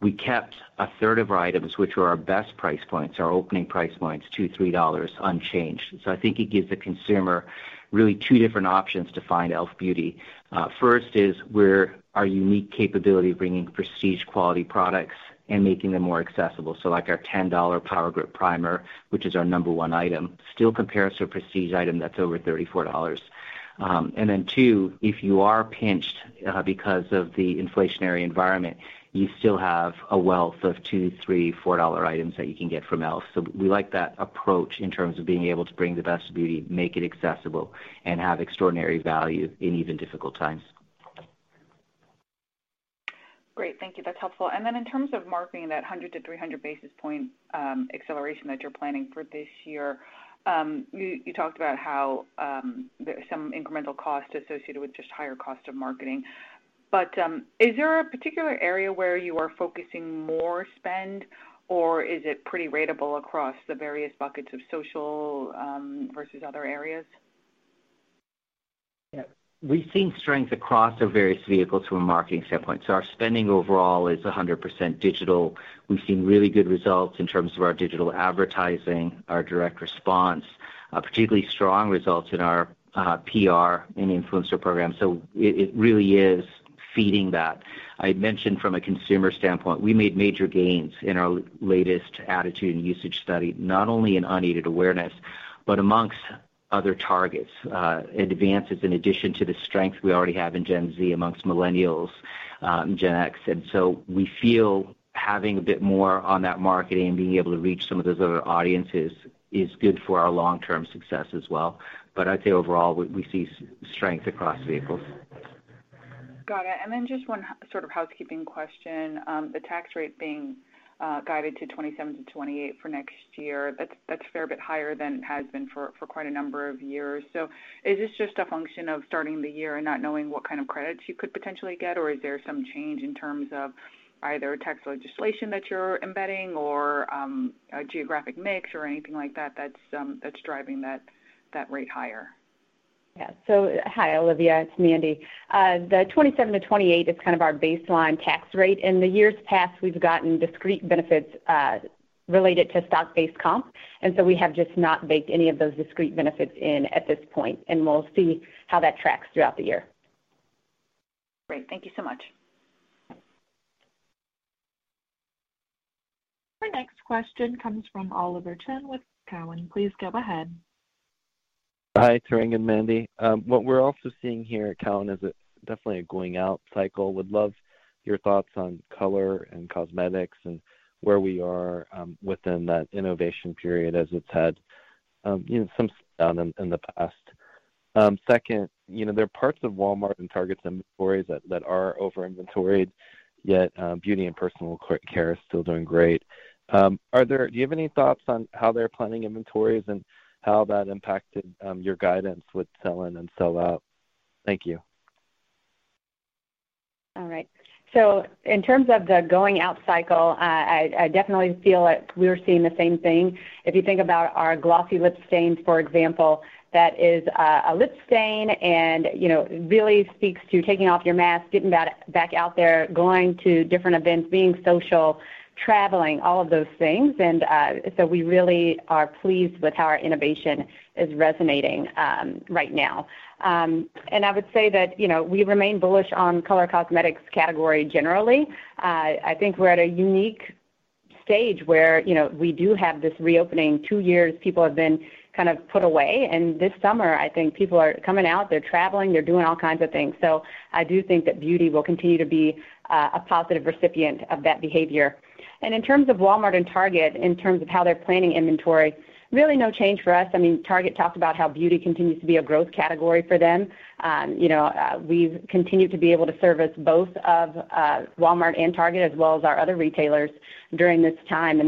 we kept a third of our items, which were our best price points, our opening price points, $2, $3 unchanged. I think it gives the consumer really two different options to find E.L.FBeauty. First is where our unique capability of bringing prestige quality products and making them more accessible. Like our $10 Power Grip Primer, which is our number one item, still compares to a prestige item that's over $34. Too, if you are pinched because of the inflationary environment, you still have a wealth of $2, $3, $4 items that you can get from Elf. We like that approach in terms of being able to bring the best beauty, make it accessible, and have extraordinary value in even difficult times. Great. Thank you. That's helpful. In terms of marketing, that 100-300 basis points acceleration that you're planning for this year, you talked about how there's some incremental cost associated with just higher cost of marketing. Is there a particular area where you are focusing more spend, or is it pretty ratable across the various buckets of social versus other areas? Yeah. We've seen strength across our various vehicles from a marketing standpoint. Our spending overall is 100% digital. We've seen really good results in terms of our digital advertising, our direct response, particularly strong results in our PR and influencer program. It really is feeding that. I had mentioned from a consumer standpoint, we made major gains in our latest attitude and usage study, not only in unaided awareness, but among other targets, advances in addition to the strength we already have in Gen Z, among Millennials, Gen X. We feel having a bit more on that marketing, being able to reach some of those other audiences is good for our long-term success as well. But I'd say overall, we see strength across vehicles. Got it. Then just one sort of housekeeping question. The tax rate being guided to 27%-28% for next year, that's a fair bit higher than it has been for quite a number of years. Is this just a function of starting the year and not knowing what kind of credits you could potentially get, or is there some change in terms of either tax legislation that you're embedding or a geographic mix or anything like that that's driving that rate higher? Yeah. Hi, Olivia. It's Mandy. The 27%-28% is kind of our baseline tax rate. In the years past, we've gotten discrete benefits related to stock-based comp. We have just not baked any of those discrete benefits in at this point, and we'll see how that tracks throughout the year. Great. Thank you so much. Our next question comes from Oliver Chen with TD Cowen. Please go ahead. Hi, Tarang and Mandy. What we're also seeing here at TD Cowen is definitely a going out cycle. Would love your thoughts on color and cosmetics and where we are within that innovation period as it's had, you know, some slowdown in the past. Second, you know, there are parts of Walmart and Target's inventories that are over-inventoried, yet beauty and personal care is still doing great. Do you have any thoughts on how they're planning inventories and how that impacted your guidance with sell-in and sell out? Thank you. All right. In terms of the going out cycle, I definitely feel like we're seeing the same thing. If you think about our glossy lip stains, for example, that is a lip stain and, you know, really speaks to taking off your mask, getting back out there, going to different events, being social, traveling, all of those things. We really are pleased with how our innovation is resonating right now. I would say that, you know, we remain bullish on color cosmetics category generally. I think we're at a unique stage where, you know, we do have this reopening. Two years, people have been kind of put away, and this summer, I think people are coming out, they're traveling, they're doing all kinds of things. I do think that beauty will continue to be a positive recipient of that behavior. In terms of Walmart and Target, in terms of how they're planning inventory, really no change for us. I mean, Target talked about how beauty continues to be a growth category for them. We've continued to be able to service both of Walmart and Target as well as our other retailers during this time.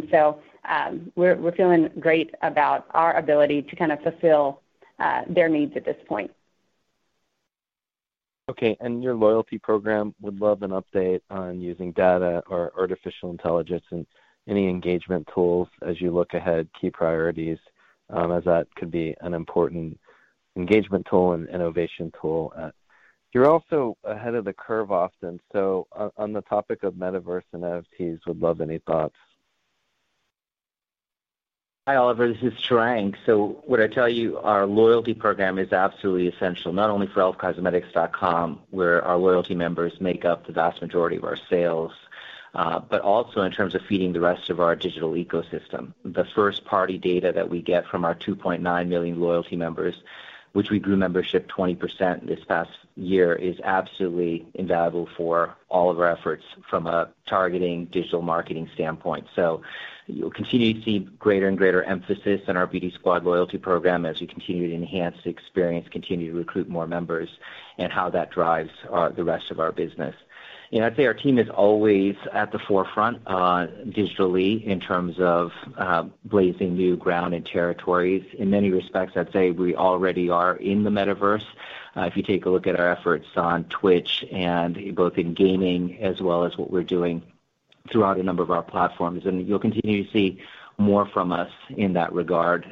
We're feeling great about our ability to kind of fulfill their needs at this point. Okay. Your loyalty program, would love an update on using data or artificial intelligence and any engagement tools as you look ahead, key priorities, as that could be an important engagement tool and innovation tool. You're also ahead of the curve often. On the topic of Metaverse and NFTs, would love any thoughts. Hi, Oliver Chen. This is Tarang Amin. Would I tell you our loyalty program is absolutely essential, not only for elfcosmetics.com, where our loyalty members make up the vast majority of our sales, but also in terms of feeding the rest of our digital ecosystem. The first party data that we get from our 2.9 million loyalty members, which we grew membership 20% this past year, is absolutely invaluable for all of our efforts from a targeting digital marketing standpoint. You'll continue to see greater and greater emphasis on our Beauty Squad loyalty program as we continue to enhance the experience, continue to recruit more members, and how that drives the rest of our business. You know, I'd say our team is always at the forefront, digitally in terms of blazing new ground and territories. In many respects, I'd say we already are in the Metaverse. If you take a look at our efforts on Twitch and both in gaming as well as what we're doing throughout a number of our platforms, and you'll continue to see more from us in that regard,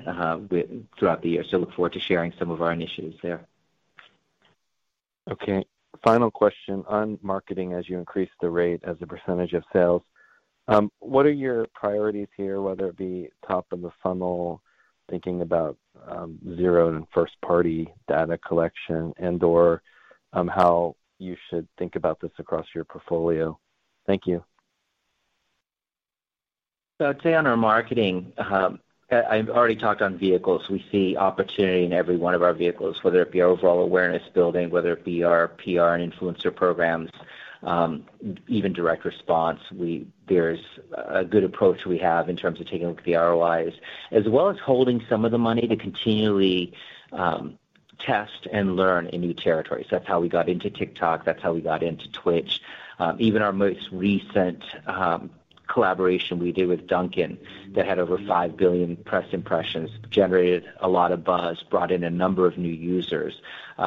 throughout the year. Look forward to sharing some of our initiatives there. Okay. Final question. On marketing, as you increase the rate as a percentage of sales, what are your priorities here, whether it be top of the funnel, thinking about, zero and first-party data collection and/or, how you should think about this across your portfolio? Thank you. I'd say on our marketing, I've already talked on vehicles. We see opportunity in every one of our vehicles, whether it be our overall awareness building, whether it be our PR and influencer programs, even direct response. There's a good approach we have in terms of taking a look at the ROIs, as well as holding some of the money to continually test and learn in new territories. That's how we got into TikTok. That's how we got into Twitch. Even our most recent collaboration we did with Dunkin' that had over 5 billion press impressions, generated a lot of buzz, brought in a number of new users.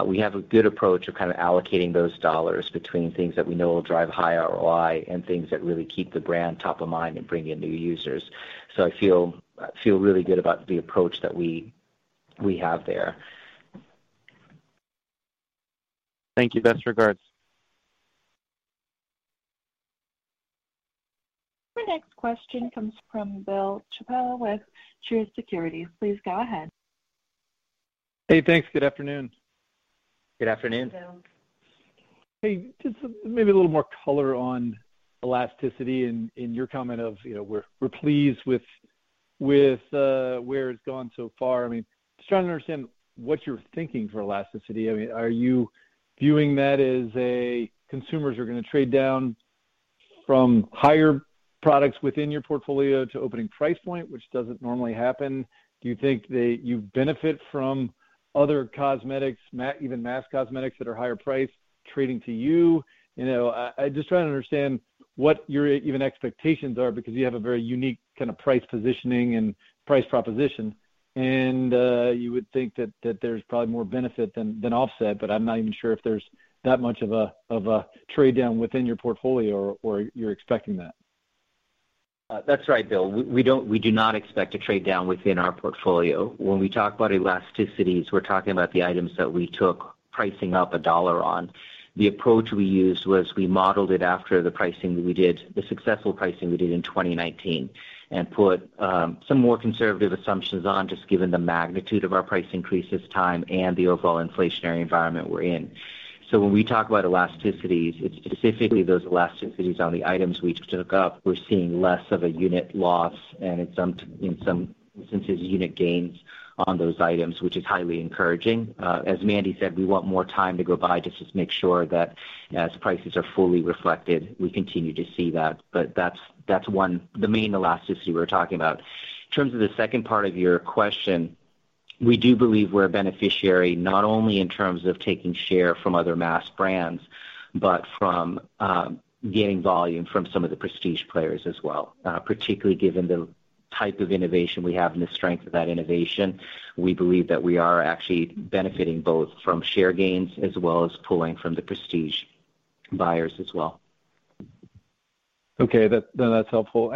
We have a good approach of kind of allocating those dollars between things that we know will drive high ROI and things that really keep the brand top of mind and bring in new users. I feel really good about the approach that we have there. Thank you. Best regards. Our next question comes from Bill Chappell with Truist Securities. Please go ahead. Hey, thanks. Good afternoon. Good afternoon. Good afternoon. Hey, just maybe a little more color on elasticity in your comment of, you know, we're pleased with where it's gone so far. I mean, just trying to understand what you're thinking for elasticity. I mean, are you viewing that as consumers are gonna trade down from higher products within your portfolio to opening price point, which doesn't normally happen? Do you think that you benefit from other cosmetics, mass, even mass cosmetics that are higher priced trading to you? You know, I just trying to understand what you're even expecting because you have a very unique kind of price positioning and price proposition. You would think that there's probably more benefit than offset, but I'm not even sure if there's that much of a trade down within your portfolio or you're expecting that. That's right, Bill. We do not expect to trade down within our portfolio. When we talk about elasticities, we're talking about the items that we took pricing up a dollar on. The approach we used was we modeled it after the successful pricing we did in 2019, and put some more conservative assumptions on just given the magnitude of our price increase this time and the overall inflationary environment we're in. When we talk about elasticities, it's specifically those elasticities on the items we took up. We're seeing less of a unit loss and in some instances, unit gains on those items, which is highly encouraging. As Mandy said, we want more time to go by just to make sure that as prices are fully reflected, we continue to see that. That's one, the main elasticity we're talking about. In terms of the second part of your question, we do believe we're a beneficiary, not only in terms of taking share from other mass brands, but from gaining volume from some of the prestige players as well. Particularly given the type of innovation we have and the strength of that innovation, we believe that we are actually benefiting both from share gains as well as pulling from the prestige buyers as well. Okay. That's helpful.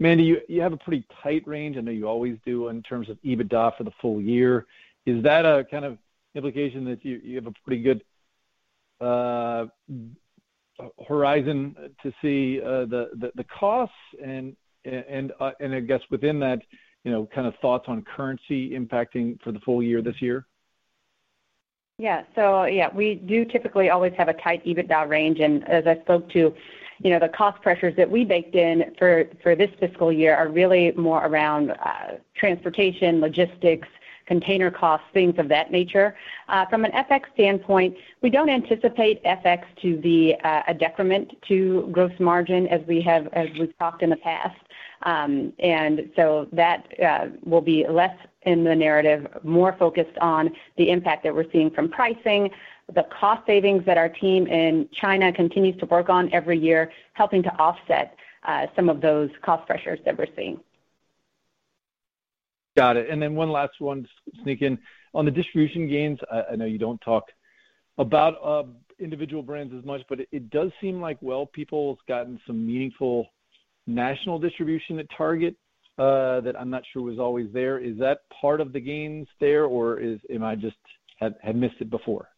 Mandy, you have a pretty tight range, I know you always do, in terms of EBITDA for the full year. Is that a kind of implication that you have a pretty good horizon to see the costs and I guess within that, you know, kind of thoughts on currency impacting for the full year this year? Yeah. Yeah, we do typically always have a tight EBITDA range. As I spoke to, you know, the cost pressures that we baked in for this fiscal year are really more around transportation, logistics, container costs, things of that nature. From an FX standpoint, we don't anticipate FX to be a decrement to gross margin as we've talked in the past. That will be less in the narrative, more focused on the impact that we're seeing from pricing, the cost savings that our team in China continues to work on every year, helping to offset some of those cost pressures that we're seeing. Got it. Then one last one, sneak in. On the distribution gains, I know you don't talk about individual brands as much, but it does seem like Well People has gotten some meaningful national distribution at Target, that I'm not sure was always there. Is that part of the gains there or am I just having missed it before?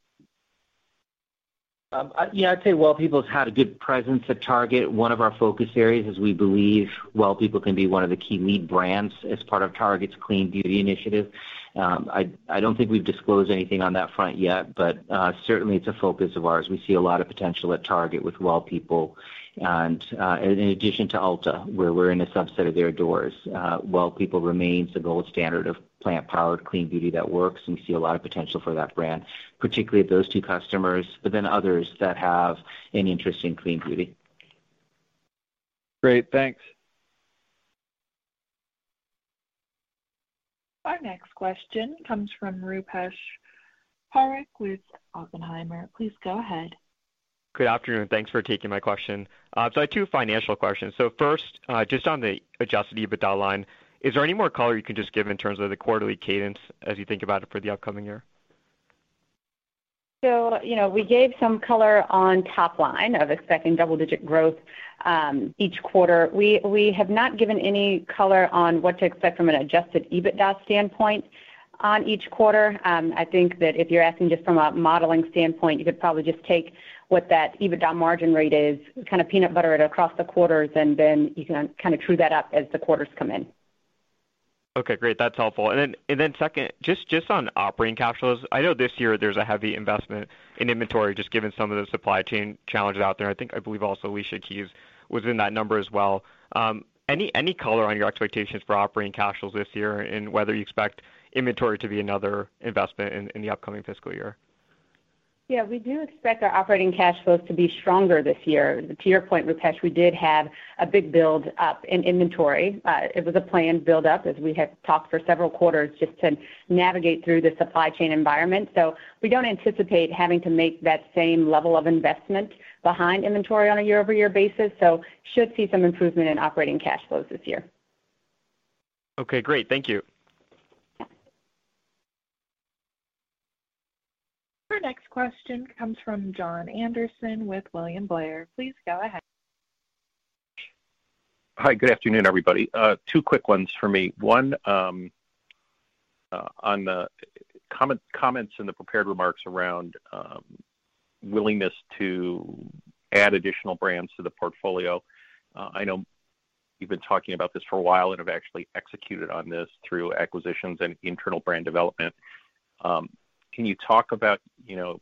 Yeah, I'd say Well People has had a good presence at Target. One of our focus areas is we believe Well People can be one of the key lead brands as part of Target's Clean Beauty initiative. I don't think we've disclosed anything on that front yet, but certainly it's a focus of ours. We see a lot of potential at Target with Well People, and in addition to Ulta, where we're in a subset of their doors. Well People remains the gold standard of plant-powered clean beauty that works, and we see a lot of potential for that brand, particularly at those two customers, but then others that have an interest in clean beauty. Great. Thanks. Our next question comes from Rupesh Parikh with Oppenheimer. Please go ahead. Good afternoon. Thanks for taking my question. I have two financial questions. First, just on the adjusted EBITDA line, is there any more color you can just give in terms of the quarterly cadence as you think about it for the upcoming year? You know, we gave some color on top line of expecting double-digit growth each quarter. We have not given any color on what to expect from an adjusted EBITDA standpoint on each quarter. I think that if you're asking just from a modeling standpoint, you could probably just take what that EBITDA margin rate is, kind of peanut butter it across the quarters, and then you can kind of true that up as the quarters come in. Okay, great. That's helpful. Second, just on operating cash flows, I know this year there's a heavy investment in inventory just given some of the supply chain challenges out there. I think, I believe also Alicia Keys was in that number as well. Any color on your expectations for operating cash flows this year and whether you expect inventory to be another investment in the upcoming fiscal year? Yeah, we do expect our operating cash flows to be stronger this year. To your point, Rupesh, we did have a big build up in inventory. It was a planned build up, as we have talked for several quarters, just to navigate through the supply chain environment. We don't anticipate having to make that same level of investment behind inventory on a year-over-year basis, so should see some improvement in operating cash flows this year. Okay, great. Thank you. Our next question comes from Jon Andersen with William Blair. Please go ahead. Hi. Good afternoon, everybody. Two quick ones for me. One, on the comments in the prepared remarks around willingness to add additional brands to the portfolio. I know you've been talking about this for a while and have actually executed on this through acquisitions and internal brand development. Can you talk about, you know,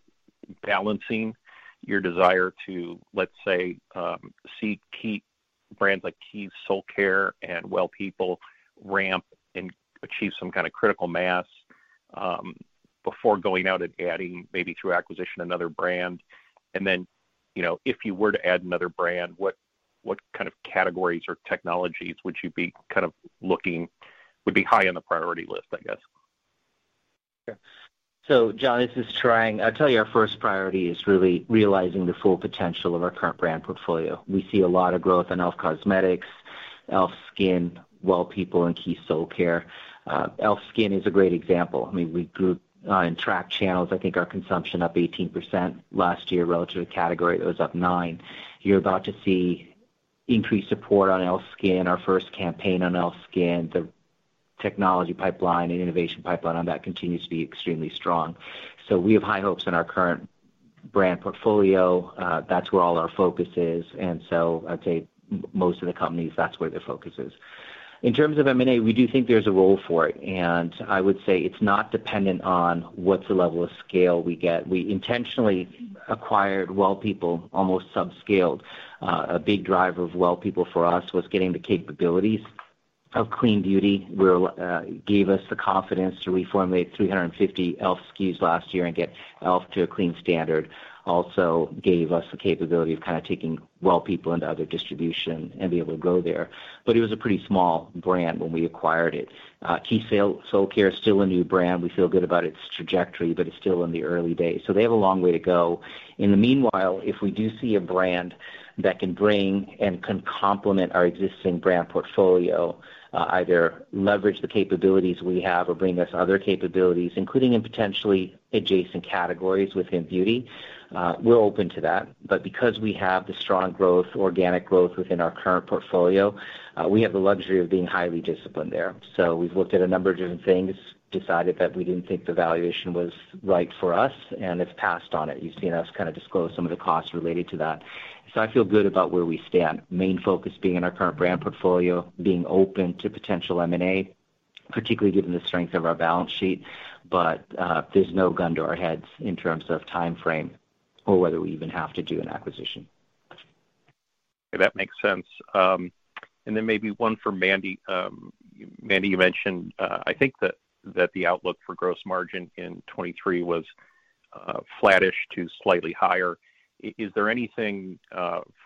balancing your desire to, let's say, see key brands like Keys Soulcare and Well People ramp and achieve some kind of critical mass, before going out and adding, maybe through acquisition, another brand? You know, if you were to add another brand, what kind of categories or technologies would be high on the priority list, I guess? Yeah. John, this is Tarang. I'll tell you our first priority is really realizing the full potential of our current brand portfolio. We see a lot of growth in E.L.F Cosmetics, E.L.F SKIN, Well People, and Keys Soulcare. E.L.F SKIN is a great example. I mean, we grew in tracked channels. I think our consumption up 18% last year relative to the category that was up 9%. You're about to see increased support on E.L.F SKIN, our first campaign on E.L.F SKIN. The technology pipeline and innovation pipeline on that continues to be extremely strong. We have high hopes in our current brand portfolio. That's where all our focus is. I'd say most of the companies, that's where their focus is. In terms of M&A, we do think there's a role for it, and I would say it's not dependent on what's the level of scale we get. We intentionally acquired Well People almost subscale. A big driver of Well People for us was getting the capabilities of clean beauty, where gave us the confidence to reformulate 350 E.L.F SKUs last year and get E.L.F to a clean standard. Also gave us the capability of kind of taking Well People into other distribution and be able to go there. It was a pretty small brand when we acquired it. Keys Soulcare is still a new brand. We feel good about its trajectory, but it's still in the early days, so they have a long way to go. In the meanwhile, if we do see a brand that can bring and can complement our existing brand portfolio, either leverage the capabilities we have or bring us other capabilities, including in potentially adjacent categories within beauty, we're open to that. Because we have the strong growth, organic growth within our current portfolio, we have the luxury of being highly disciplined there. We've looked at a number of different things, decided that we didn't think the valuation was right for us, and we passed on it. You've seen us kind of disclose some of the costs related to that. I feel good about where we stand. Main focus being in our current brand portfolio, being open to potential M&A, particularly given the strength of our balance sheet. There's no gun to our heads in terms of timeframe or whether we even have to do an acquisition. That makes sense. Maybe one for Mandy. Mandy, you mentioned, I think that the outlook for gross margin in 2023 was flattish to slightly higher. Is there anything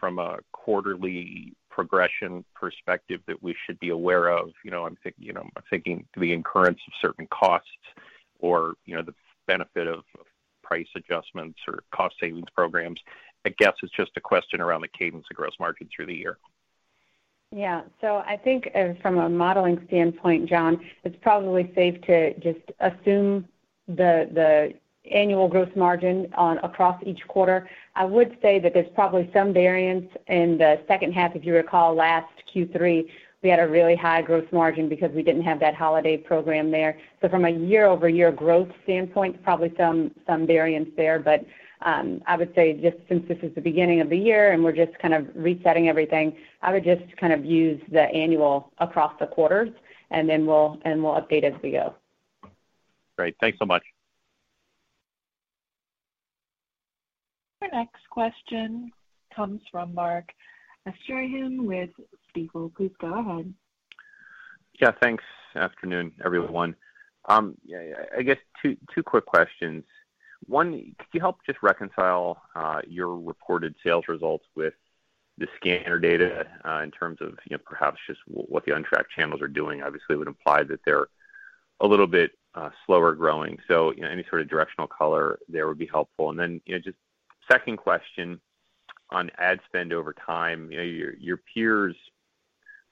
from a quarterly progression perspective that we should be aware of? You know, I'm thinking the incurrence of certain costs or, you know, the benefit of price adjustments or cost savings programs. I guess it's just a question around the cadence of gross margin through the year. Yeah. I think from a modeling standpoint, John, it's probably safe to just assume the annual gross margin across each quarter. I would say that there's probably some variance in the second half. If you recall last Q3, we had a really high gross margin because we didn't have that holiday program there. From a year-over-year growth standpoint, probably some variance there. I would say just since this is the beginning of the year and we're just kind of resetting everything, I would just kind of use the annual across the quarters, and then we'll update as we go. Great. Thanks so much. Our next question comes from Mark Altschwager with Baird. Please go ahead. Yeah, thanks. Afternoon, everyone. Yeah. I guess two quick questions. One, could you help just reconcile your reported sales results with the scanner data in terms of, you know, perhaps just what the untracked channels are doing? Obviously, it would imply that they're a little bit slower growing. You know, any sort of directional color there would be helpful. Then, you know, just second question on ad spend over time. You know, your peers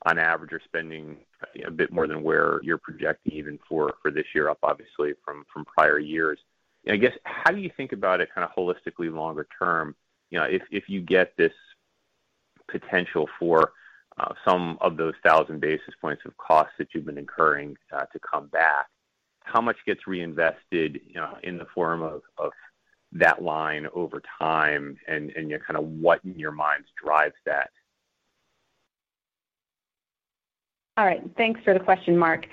on average are spending a bit more than where you're projecting even for this year, up obviously from prior years. I guess, how do you think about it kind of holistically longer term, you know, if you get this potential for some of those thousand basis points of costs that you've been incurring to come back? How much gets reinvested, you know, in the form of that line over time and you know, kind of what in your minds drives that? All right. Thanks for the question, Mark.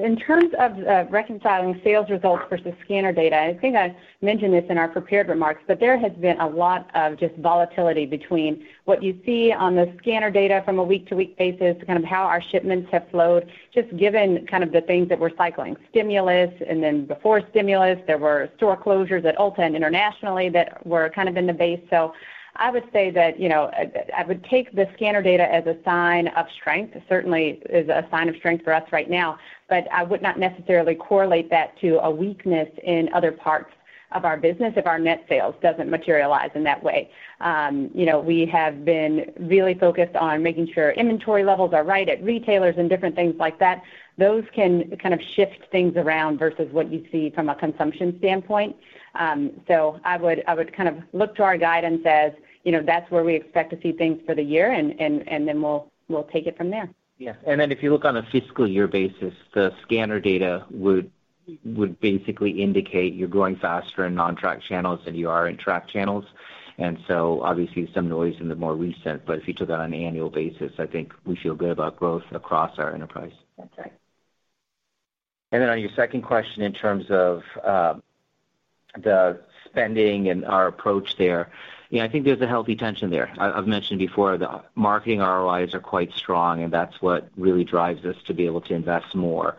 In terms of reconciling sales results versus scanner data, I think I mentioned this in our prepared remarks, but there has been a lot of just volatility between what you see on the scanner data from a week-to-week basis to kind of how our shipments have flowed, just given kind of the things that we're cycling. Stimulus, and then before stimulus, there were store closures at Ulta and internationally that were kind of in the base. I would say that, you know, I would take the scanner data as a sign of strength. It certainly is a sign of strength for us right now. I would not necessarily correlate that to a weakness in other parts of our business if our net sales doesn't materialize in that way. You know, we have been really focused on making sure inventory levels are right at retailers and different things like that. Those can kind of shift things around versus what you see from a consumption standpoint. I would kind of look to our guidance as, you know, that's where we expect to see things for the year and then we'll take it from there. Yeah. Then if you look on a fiscal year basis, the scanner data would basically indicate you're growing faster in non-tracked channels than you are in tracked channels. Obviously some noise in the more recent, but if you took that on an annual basis, I think we feel good about growth across our enterprise. That's right. Then on your second question in terms of the spending and our approach there. Yeah, I think there's a healthy tension there. I've mentioned before the marketing ROIs are quite strong, and that's what really drives us to be able to invest more,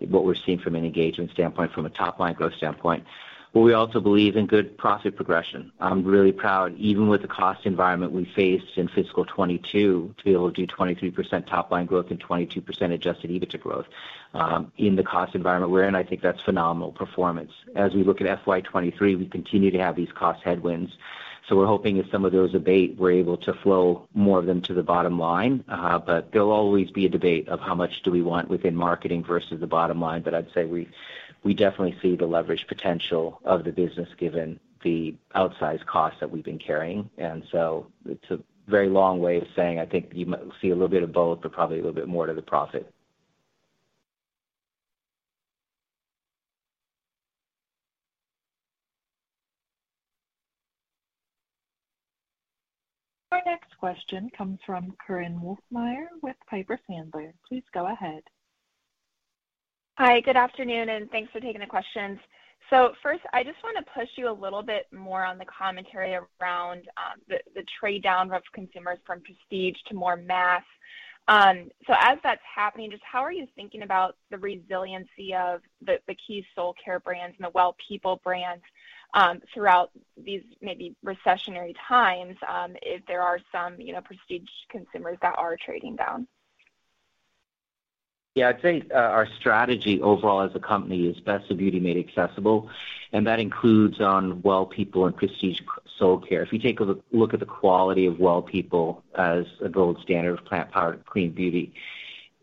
what we're seeing from an engagement standpoint, from a top-line growth standpoint. But we also believe in good profit progression. I'm really proud, even with the cost environment we faced in fiscal 2022, to be able to do 23% top line growth and 22% adjusted EBITDA growth, in the cost environment we're in. I think that's phenomenal performance. As we look at FY 2023, we continue to have these cost headwinds, so we're hoping as some of those abate, we're able to flow more of them to the bottom line. There'll always be a debate of how much do we want within marketing versus the bottom line. I'd say we definitely see the leverage potential of the business given the outsized cost that we've been carrying. It's a very long way of saying I think you see a little bit of both, but probably a little bit more to the profit. Our next question comes from Korinne Wolfmeyer with Piper Sandler. Please go ahead. Hi, good afternoon, and thanks for taking the questions. First, I just wanna push you a little bit more on the commentary around the trade down of consumers from prestige to more mass. As that's happening, just how are you thinking about the resiliency of the Keys Soulcare brands and the Well People brands throughout these maybe recessionary times, if there are some, you know, prestige consumers that are trading down? Yeah. I'd say our strategy overall as a company is best of beauty made accessible, and that includes on Well People and Keys Soulcare. If you take a look at the quality of Well People as a gold standard of plant-powered clean beauty,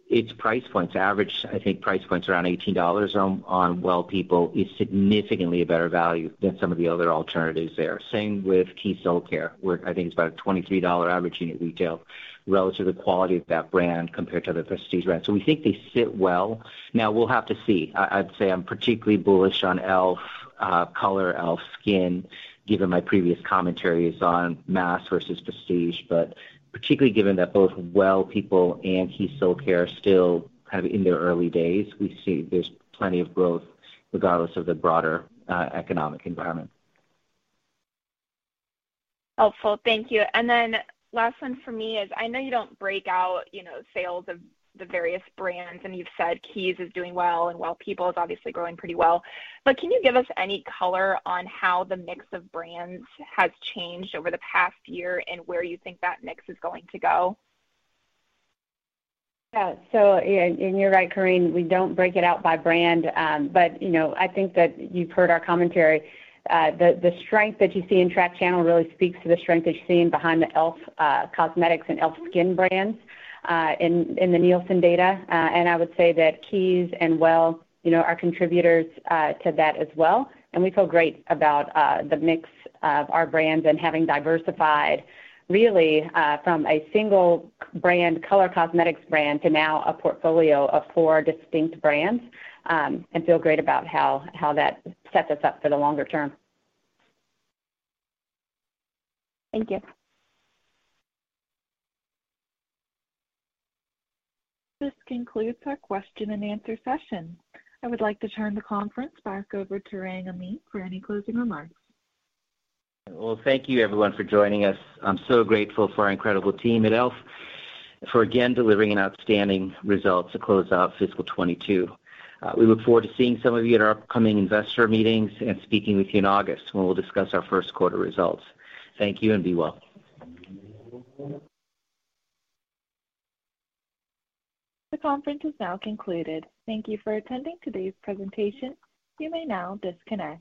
its price points average, I think price points around $18 on Well People is significantly a better value than some of the other alternatives there. Same with Keys Soulcare, where I think it's about a $23 average unit retail relative to the quality of that brand compared to other prestige brands. We think they sit well. Now we'll have to see. I'd say I'm particularly bullish on e.l.f. color, e.l.f. Skin, given my previous commentaries on mass versus prestige, but particularly given that both Well People and Keys Soulcare still kind of in their early days, we see there's plenty of growth regardless of the broader economic environment. Helpful. Thank you. Last one for me is, I know you don't break out, you know, sales of the various brands, and you've said Keys is doing well and Well People is obviously growing pretty well. But can you give us any color on how the mix of brands has changed over the past year and where you think that mix is going to go? You're right, Corinne, we don't break it out by brand. You know, I think that you've heard our commentary. The strength that you see in tracked channel really speaks to the strength that you're seeing behind the E.L.F Cosmetics and E.L.F SKIN brands in the Nielsen data. I would say that Keys and Well, you know, are contributors to that as well. We feel great about the mix of our brands and having diversified really from a single brand, color cosmetics brand, to now a portfolio of four distinct brands and feel great about how that sets us up for the longer term. Thank you. This concludes our question and answer session. I would like to turn the conference back over to Tarang Amin for any closing remarks. Well, thank you everyone for joining us. I'm so grateful for our incredible team at E.L.F for again delivering an outstanding result to close out fiscal 22. We look forward to seeing some of you at our upcoming investor meetings and speaking with you in August when we'll discuss our first quarter results. Thank you, and be well. The conference is now concluded. Thank you for attending today's presentation. You may now disconnect.